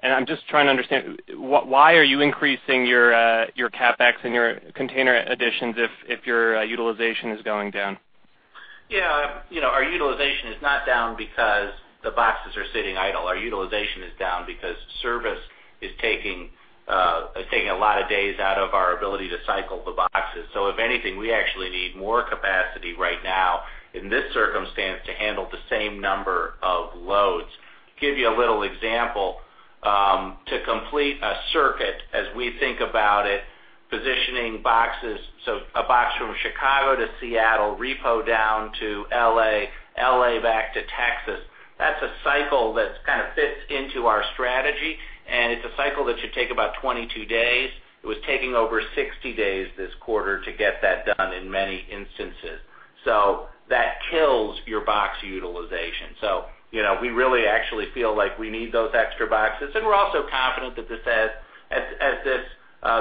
S9: I'm just trying to understand why are you increasing your CapEx and your container additions if your utilization is going down?
S3: Yeah, you know, our utilization is not down because the boxes are sitting idle. Our utilization is down because service is taking a lot of days out of our ability to cycle the boxes. So if anything, we actually need more capacity right now in this circumstance to handle the same number of loads. To give you a little example, to complete a circuit, as we think about it, positioning boxes, so a box from Chicago to Seattle, repo down to L.A., L.A. back to Texas, that's a cycle that kind of fits into our strategy, and it's a cycle that should take about 22 days. It was taking over 60 days this quarter to get that done in many instances. So that kills your box utilization. So, you know, we really actually feel like we need those extra boxes, and we're also confident that as this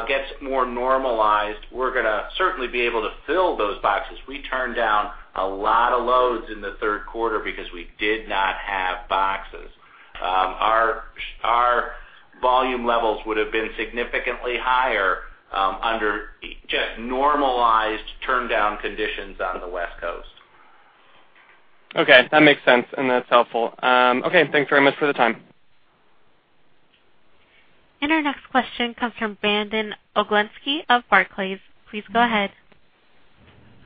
S3: gets more normalized, we're gonna certainly be able to fill those boxes. We turned down a lot of loads in the Q3 because we did not have boxes. Our volume levels would have been significantly higher under just normalized turn down conditions on the West Coast.
S9: Okay, that makes sense, and that's helpful. Okay, thanks very much for the time.
S1: Our next question comes from Brandon Oglenski of Barclays. Please go ahead.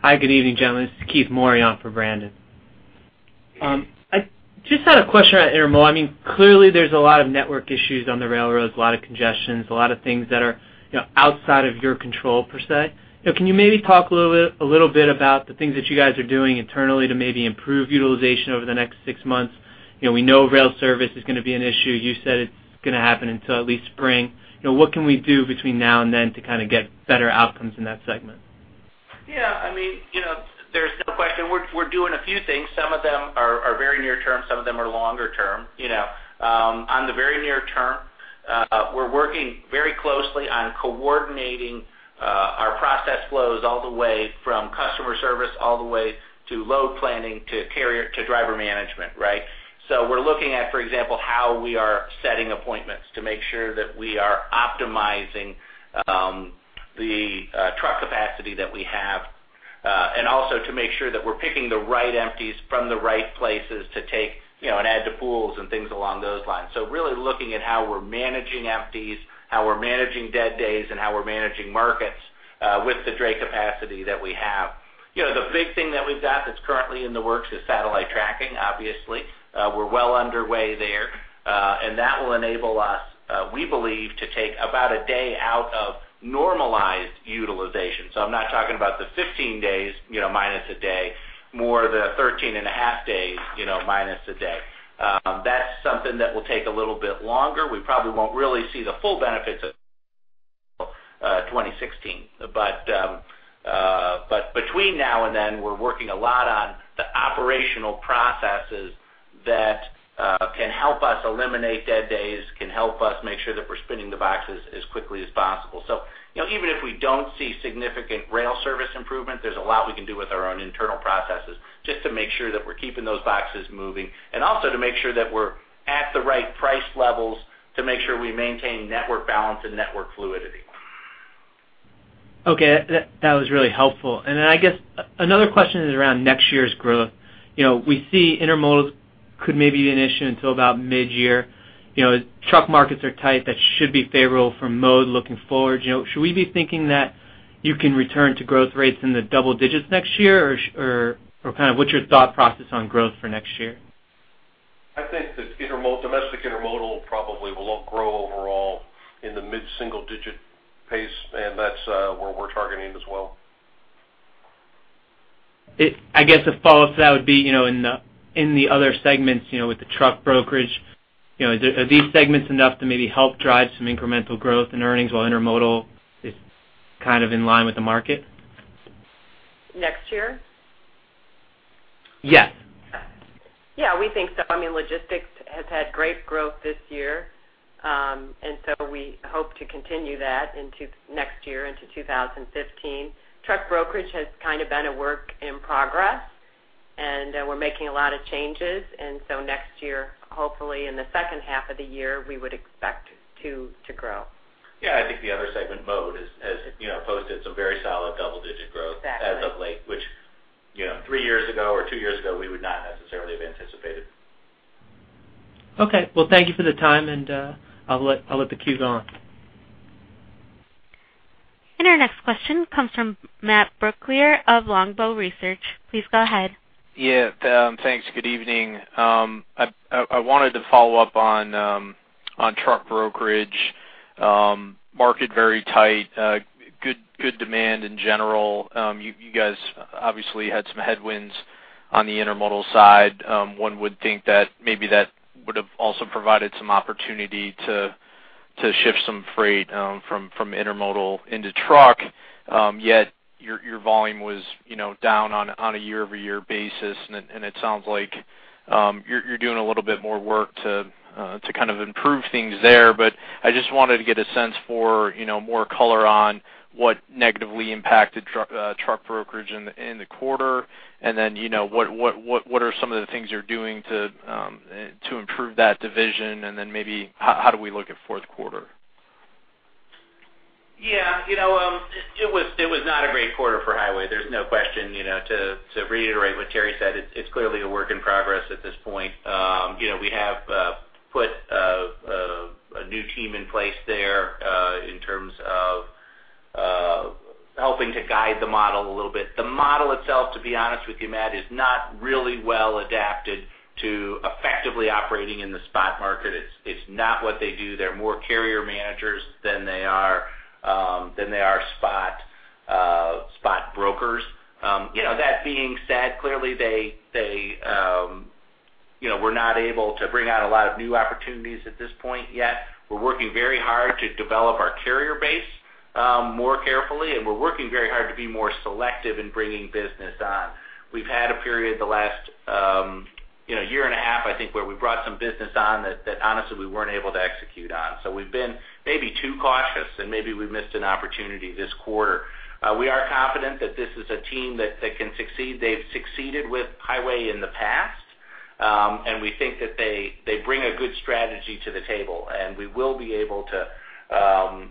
S10: Hi, good evening, gentlemen. This is Keith Morrison for Brandon. I just had a question on intermodal. I mean, clearly, there's a lot of network issues on the railroads, a lot of congestions, a lot of things that are, you know, outside of your control per se. So can you maybe talk a little bit, a little bit about the things that you guys are doing internally to maybe improve utilization over the next six months? You know, we know rail service is gonna be an issue. You said it's gonna happen until at least spring. You know, what can we do between now and then to kind of get better outcomes in that segment?
S3: Yeah, I mean, you know, there's no question. We're doing a few things. Some of them are very near term, some of them are longer term, you know. On the very near term, we're working very closely on coordinating our process flows all the way from customer service, all the way to load planning, to carrier, to driver management, right? So we're looking at, for example, how we are setting appointments to make sure that we are optimizing the truck capacity that we have, and also to make sure that we're picking the right empties from the right places to take, you know, and add to pools and things along those lines. So really looking at how we're managing empties, how we're managing dead days, and how we're managing markets with the dray capacity that we have. You know, the big thing that we've got that's currently in the works is satellite tracking, obviously. We're well underway there, and that will enable us, we believe, to take about a day out of normalized utilization. So I'm not talking about the 15 days, you know, minus a day, more the 13.5 days, you know, minus a day. That's something that will take a little bit longer. We probably won't really see the full benefits of 2016. But, but between now and then, we're working a lot on the operational processes that can help us eliminate dead days, can help us make sure that we're spinning the boxes as quickly as possible. So, you know, even if we don't see significant rail service improvement, there's a lot we can do with our own internal processes just to make sure that we're keeping those boxes moving, and also to make sure that we're at the right price levels to make sure we maintain network balance and network fluidity.
S10: Okay, that was really helpful. Then I guess, another question is around next year's growth. You know, we see intermodal could maybe be an issue until about mid-year. You know, truck markets are tight. That should be favorable for mode looking forward. You know, should we be thinking that you can return to growth rates in the double digits next year, or kind of what's your thought process on growth for next year?
S2: I think that intermodal, domestic intermodal probably will grow overall in the mid-single digit pace, and that's where we're targeting as well.
S10: I guess a follow-up to that would be, you know, in the other segments, you know, with the truck brokerage, you know, are these segments enough to maybe help drive some incremental growth in earnings while intermodal is kind of in line with the market?
S4: Next year?
S10: Yes.
S4: Yeah, we think so. I mean, logistics has had great growth this year, and so we hope to continue that into next year, into 2015. Truck brokerage has kind of been a work in progress, and we're making a lot of changes. And so next year, hopefully, in the second half of the year, we would expect to grow.
S3: Yeah, I think the other segment, Mode, has you know posted some very solid double-digit growth-
S4: Exactly.
S3: - as of late, which, you know, 3 years ago or 2 years ago, we would not necessarily have anticipated.
S10: Okay. Well, thank you for the time, and I'll let the queue go on.
S1: Our next question comes from Matt Brooklier of Longbow Research. Please go ahead.
S11: Yeah, thanks. Good evening. I wanted to follow up on truck brokerage. Market very tight, good demand in general. You guys obviously had some headwinds on the intermodal side. One would think that maybe that would have also provided some opportunity to ship some freight from intermodal into truck, yet your volume was, you know, down on a year-over-year basis. And it sounds like you're doing a little bit more work to kind of improve things there. But I just wanted to get a sense for, you know, more color on what negatively impacted truck brokerage in the quarter. And then, you know, what are some of the things you're doing to improve that division? And then maybe, how do we look at Q4?
S3: Yeah, you know, it was not a great quarter for Highway. There's no question. You know, to reiterate what Terri said, it's clearly a work in progress at this point. You know, we have put a new team in place there, in terms of helping to guide the model a little bit. The model itself, to be honest with you, Matt, is not really well adapted to effectively operating in the spot market. It's not what they do. They're more carrier managers than they are spot brokers. You know, that being said, clearly, we're not able to bring out a lot of new opportunities at this point yet. We're working very hard to develop our carrier base more carefully, and we're working very hard to be more selective in bringing business on. We've had a period the last, you know, year and a half, I think, where we brought some business on that honestly, we weren't able to execute on. So we've been maybe too cautious, and maybe we've missed an opportunity this quarter. We are confident that this is a team that can succeed. They've succeeded with Highway in the past, and we think that they bring a good strategy to the table, and we will be able to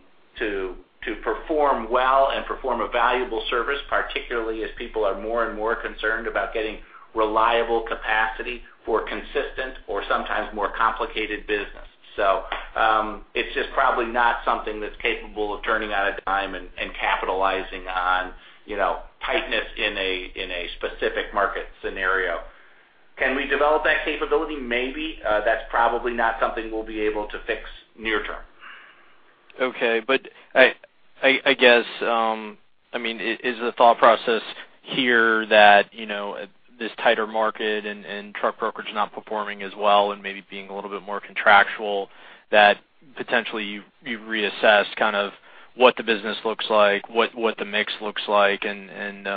S3: to perform well and perform a valuable service, particularly as people are more and more concerned about getting reliable capacity for consistent or sometimes more complicated business. So, it's just probably not something that's capable of turning on a dime and capitalizing on, you know, tightness in a specific market scenario. Can we develop that capability? Maybe. That's probably not something we'll be able to fix near term.
S11: Okay. But I guess, I mean, is the thought process here that, you know, this tighter market and truck brokerage not performing as well and maybe being a little bit more contractual, that potentially you've reassessed kind of what the business looks like, what the mix looks like, and,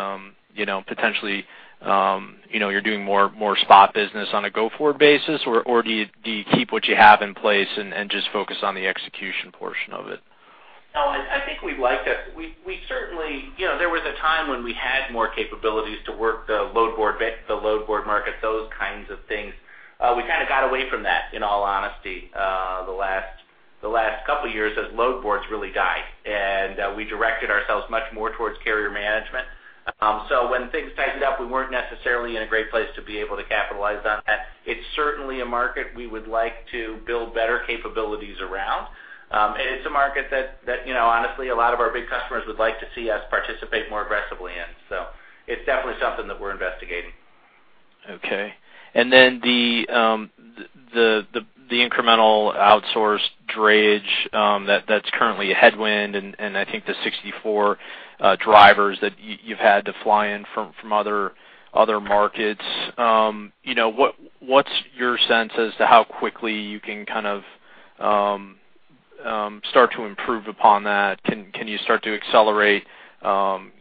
S11: you know, potentially, you know, you're doing more spot business on a go-forward basis, or do you keep what you have in place and just focus on the execution portion of it?
S3: No, I think we'd like to. We certainly... You know, there was a time when we had more capabilities to work the load board, the load board market, those kinds of things. We kind of got away from that, in all honesty, the last couple of years, as load boards really died, and we directed ourselves much more towards carrier management. So when things tightened up, we weren't necessarily in a great place to be able to capitalize on that. It's certainly a market we would like to build better capabilities around. And it's a market that, you know, honestly, a lot of our big customers would like to see us participate more aggressively in. So it's definitely something that we're investigating.
S11: Okay. And then the incremental outsourced drayage that's currently a headwind, and I think the 64 drivers that you've had to fly in from other markets. You know, what's your sense as to how quickly you can kind of start to improve upon that? Can you start to accelerate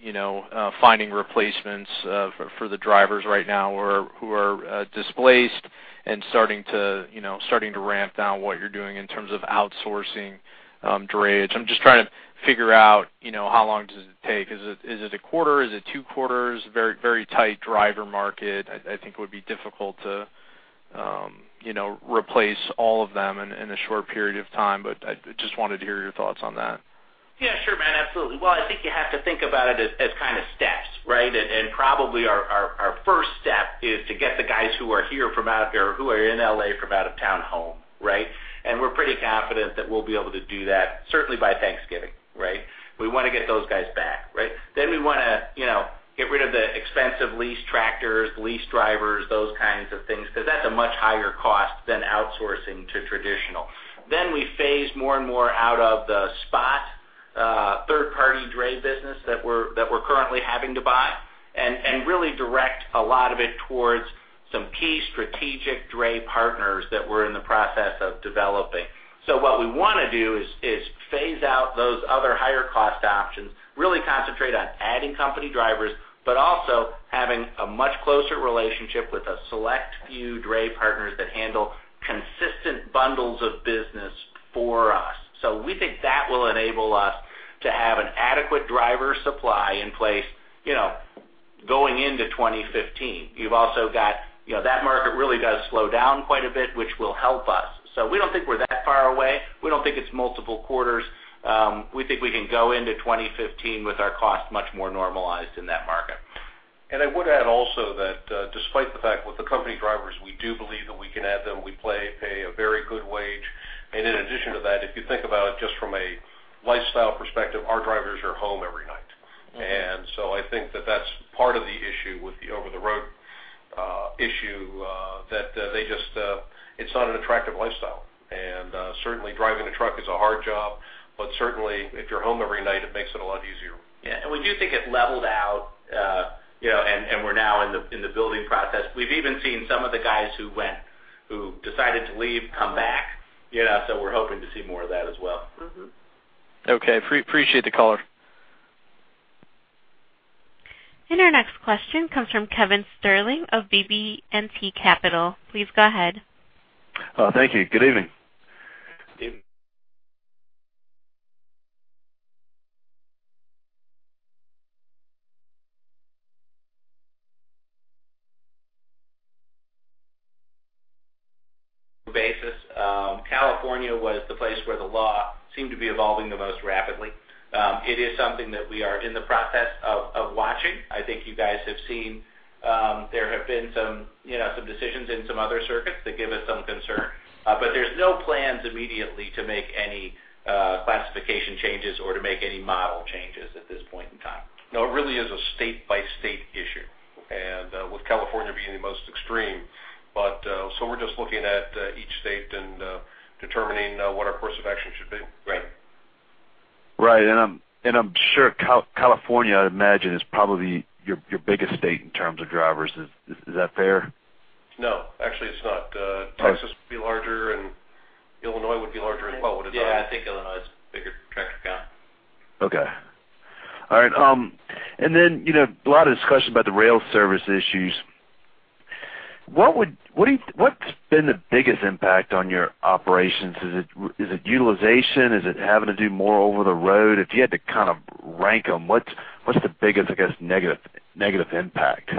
S11: you know finding replacements for the drivers right now, or who are displaced and starting to you know starting to ramp down what you're doing in terms of outsourcing drayage? I'm just trying to figure out, you know, how long does it take? Is it a quarter? Is it two quarters? Very tight driver market. I think it would be difficult to, you know, replace all of them in a short period of time, but I just wanted to hear your thoughts on that.
S3: Yeah, sure, Matt, absolutely. Well, I think you have to think about it as kind of steps, right? And probably our first step is to get the guys who are here from out of here, or who are in L.A. from out of town, home, right? And we're pretty confident that we'll be able to do that, certainly by Thanksgiving, right? We want to get those guys back, right? Then we want to, you know, get rid of the expensive lease tractors, lease drivers, those kinds of things, because that's a much higher cost than outsourcing to traditional. Then we phase more and more out of the spot third-party dray business that we're currently having to buy, and really direct a lot of it towards some key strategic dray partners that we're in the process of developing. So what we want to do is phase out those other higher cost options, really concentrate on adding company drivers, but also having a much closer relationship with a select few dray partners that handle consistent bundles of business for us. So we think that will enable us to have an adequate driver supply in place, you know, going into 2015. You've also got... You know, that market really does slow down quite a bit, which will help us. So we don't think we're that far away. We don't think it's multiple quarters. We think we can go into 2015 with our costs much more normalized in that market.
S2: And I would add also that, despite the fact with the company drivers, we do believe that we can add them. We pay a very good wage. And in addition to that, if you think about it, just from a lifestyle perspective, our drivers are home every night. And so I think that that's part of the issue with the over-the-road issue, that they just, it's not an attractive lifestyle. And, certainly, driving a truck is a hard job, but certainly, if you're home every night, it makes it a lot easier.
S3: Yeah, and we do think it leveled out, you know, and we're now in the building process. We've even seen some of the guys who went, who decided to leave, come back, you know, so we're hoping to see more of that as well.
S11: Mm-hmm. Okay. Appreciate the call.
S1: Our next question comes from Kevin Sterling of BB&T Capital. Please go ahead.
S12: Thank you. Good evening. Good evening. Basically, California was the place where the law seemed to be evolving the most rapidly. It is something that we are in the process of watching. I think you guys have seen, there have been some, you know, some decisions in some other circuits that give us some concern, but there's no plans immediately to make any classification changes or to make any model changes at this point in time.
S2: No, it really is a state-by-state issue, and with California being the most extreme. But, so we're just looking at each state and determining what our course of action should be. Go ahead.
S12: Right. I'm sure California, I'd imagine, is probably your biggest state in terms of drivers. Is that fair?
S2: No, actually, it's not. Texas would be larger and Illinois would be larger as well, would it not?
S3: Yeah, I think Illinois is a bigger tractor count.
S12: Okay. All right, and then, you know, a lot of discussion about the rail service issues. What's been the biggest impact on your operations? Is it utilization? Is it having to do more over the road? If you had to kind of rank them, what's the biggest, I guess, negative impact?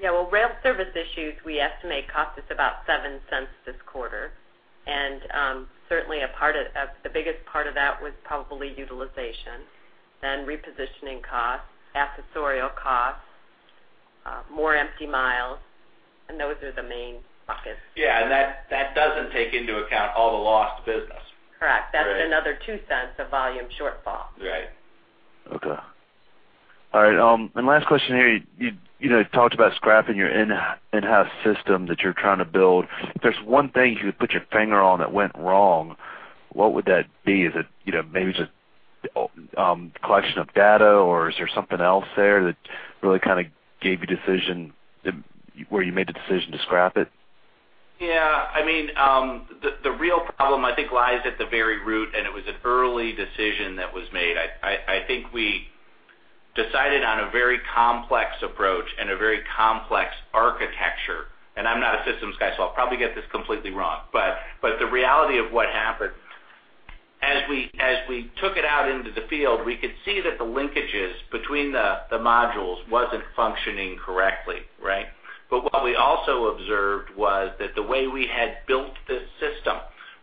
S4: Yeah, well, rail service issues, we estimate, cost us about $0.07 this quarter. And, certainly a part of the biggest part of that was probably utilization, then repositioning costs, accessorial costs, more empty miles, and those are the main buckets.
S3: Yeah, and that, that doesn't take into account all the lost business.
S4: Correct.
S3: Right.
S4: That's another $0.02 of volume shortfall.
S3: Right.
S12: Okay. All right, and last question here. You know, talked about scrapping your in-house system that you're trying to build. If there's one thing you would put your finger on that went wrong, what would that be? Is it, you know, maybe just collection of data, or is there something else there that really kind of gave you decision, where you made the decision to scrap it?
S3: Yeah, I mean, the real problem, I think, lies at the very root, and it was an early decision that was made. I think we decided on a very complex approach and a very complex architecture, and I'm not a systems guy, so I'll probably get this completely wrong. But the reality of what happened. As we took it out into the field, we could see that the linkages between the modules wasn't functioning correctly, right? But what we also observed was that the way we had built this system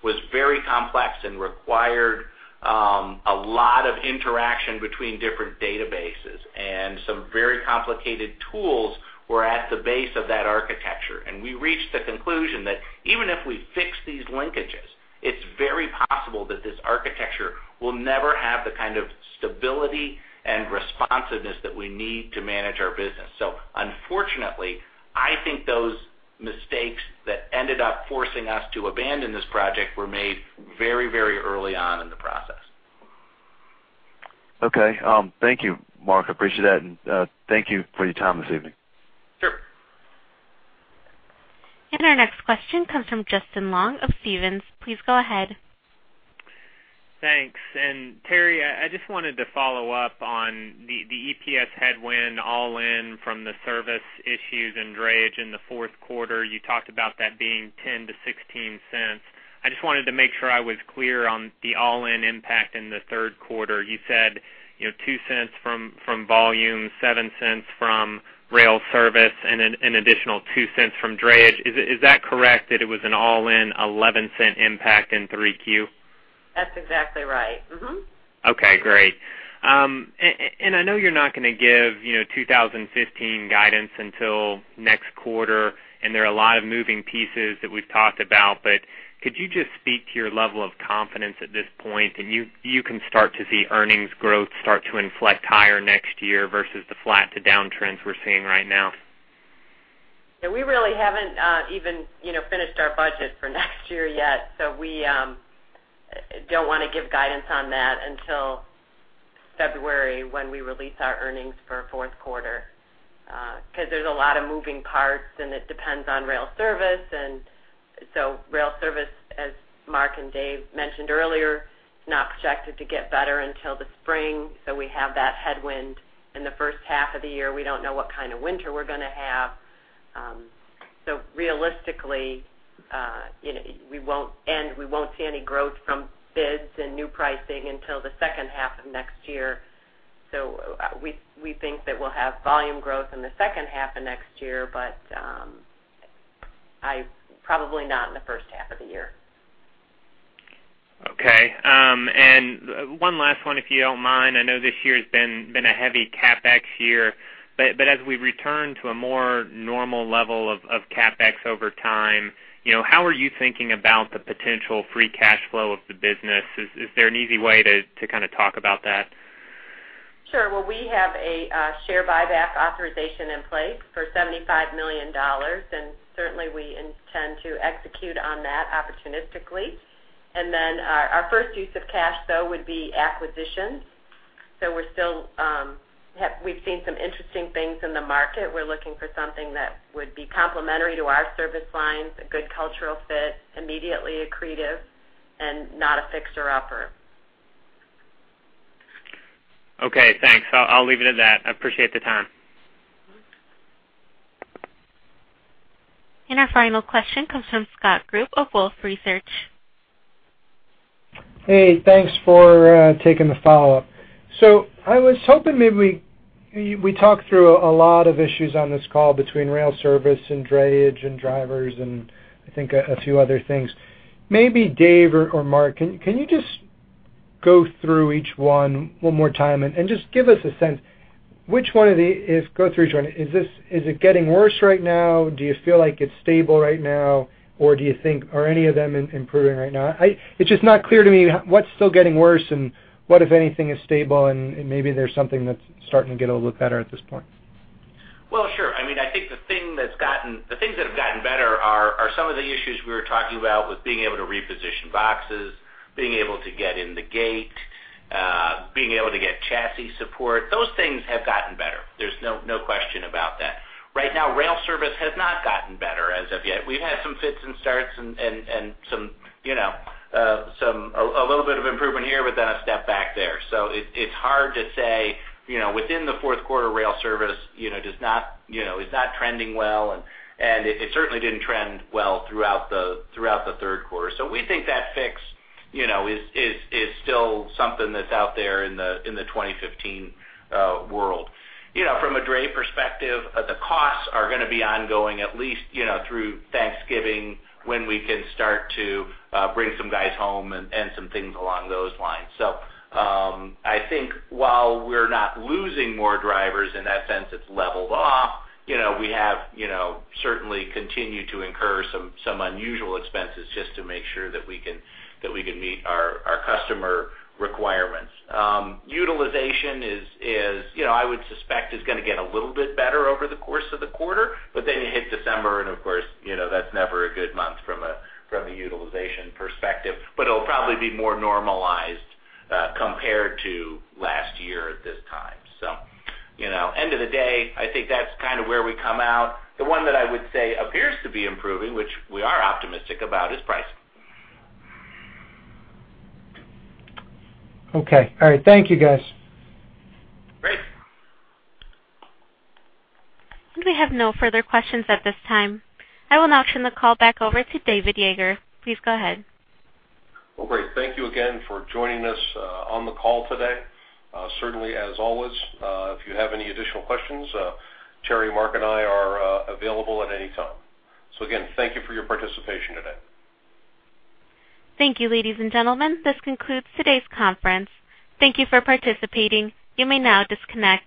S3: was very complex and required a lot of interaction between different databases, and some very complicated tools were at the base of that architecture. We reached the conclusion that even if we fix these linkages, it's very possible that this architecture will never have the kind of stability and responsiveness that we need to manage our business. Unfortunately, I think those mistakes that ended up forcing us to abandon this project were made very, very early on in the process.
S12: Okay, thank you, Mark. I appreciate that. Thank you for your time this evening.
S3: Sure.
S1: Our next question comes from Justin Long of Stephens. Please go ahead.
S13: Thanks. And Terri, I just wanted to follow up on the EPS headwind, all-in from the service issues and drayage in the Q4. You talked about that being $0.10-$0.16. I just wanted to make sure I was clear on the all-in impact in the Q3. You said, you know, $0.02 from volume, $0.07 from rail service, and an additional $0.02 from drayage. Is that correct, that it was an all-in $0.11 impact in 3Q?
S4: That's exactly right. Mm-hmm.
S13: Okay, great. And I know you're not gonna give, you know, 2015 guidance until next quarter, and there are a lot of moving pieces that we've talked about, but could you just speak to your level of confidence at this point, and you can start to see earnings growth start to inflect higher next year versus the flat to down trends we're seeing right now?
S4: Yeah, we really haven't even, you know, finished our budget for next year yet, so we don't wanna give guidance on that until February, when we release our earnings for Q4. Because there's a lot of moving parts, and it depends on rail service. So rail service, as Mark and Dave mentioned earlier, is not projected to get better until the spring, so we have that headwind. In the first half of the year, we don't know what kind of winter we're gonna have. So realistically, you know, we won't see any growth from bids and new pricing until the second half of next year. So we think that we'll have volume growth in the second half of next year, but I probably not in the first half of the year.
S13: Okay. And one last one, if you don't mind. I know this year's been a heavy CapEx year, but as we return to a more normal level of CapEx over time, you know, how are you thinking about the potential free cash flow of the business? Is there an easy way to kind of talk about that?
S4: Sure. Well, we have a share buyback authorization in place for $75 million, and certainly, we intend to execute on that opportunistically. And then, our, our first use of cash, though, would be acquisitions. So we're still, we've seen some interesting things in the market. We're looking for something that would be complementary to our service lines, a good cultural fit, immediately accretive, and not a fixer-upper.
S13: Okay, thanks. I'll, I'll leave it at that. I appreciate the time.
S1: Our final question comes from Scott Group of Wolfe Research.
S6: Hey, thanks for taking the follow-up. So I was hoping maybe we talked through a lot of issues on this call between rail service and drayage and drivers, and I think a few other things. Maybe Dave or Mark, can you just go through each one one more time and just give us a sense, which one of them is... Go through each one. Is it getting worse right now? Do you feel like it's stable right now, or do you think, are any of them improving right now? It's just not clear to me, what's still getting worse and what, if anything, is stable, and maybe there's something that's starting to get a little better at this point.
S3: Well, sure. I mean, I think the thing that's gotten, the things that have gotten better are some of the issues we were talking about with being able to reposition boxes, being able to get in the gate, being able to get chassis support. Those things have gotten better. There's no question about that. Right now, rail service has not gotten better as of yet. We've had some fits and starts and some, you know, some a little bit of improvement here, but then a step back there. So it, it's hard to say, you know, within the Q4, rail service, you know, does not, you know, is not trending well, and it certainly didn't trend well throughout the Q3. So we think that fix, you know, is still something that's out there in the 2015 world. You know, from a dray perspective, the costs are gonna be ongoing, at least, you know, through Thanksgiving, when we can start to bring some guys home and some things along those lines. So, I think while we're not losing more drivers, in that sense, it's leveled off. You know, we have, you know, certainly continued to incur some unusual expenses just to make sure that we can meet our customer requirements. Utilization is, you know, I would suspect, gonna get a little bit better over the course of the quarter, but then you hit December, and of course, you know, that's never a good month from a utilization perspective, but it'll probably be more normalized, compared to last year at this time. So, you know, end of the day, I think that's kind of where we come out. The one that I would say appears to be improving, which we are optimistic about, is pricing.
S6: Okay. All right. Thank you, guys.
S3: Great.
S1: We have no further questions at this time. I will now turn the call back over to David Yeager. Please go ahead.
S2: Well, great. Thank you again for joining us on the call today. Certainly, as always, if you have any additional questions, Terri, Mark, and I are available at any time. So again, thank you for your participation today.
S1: Thank you, ladies and gentlemen. This concludes today's conference. Thank you for participating. You may now disconnect.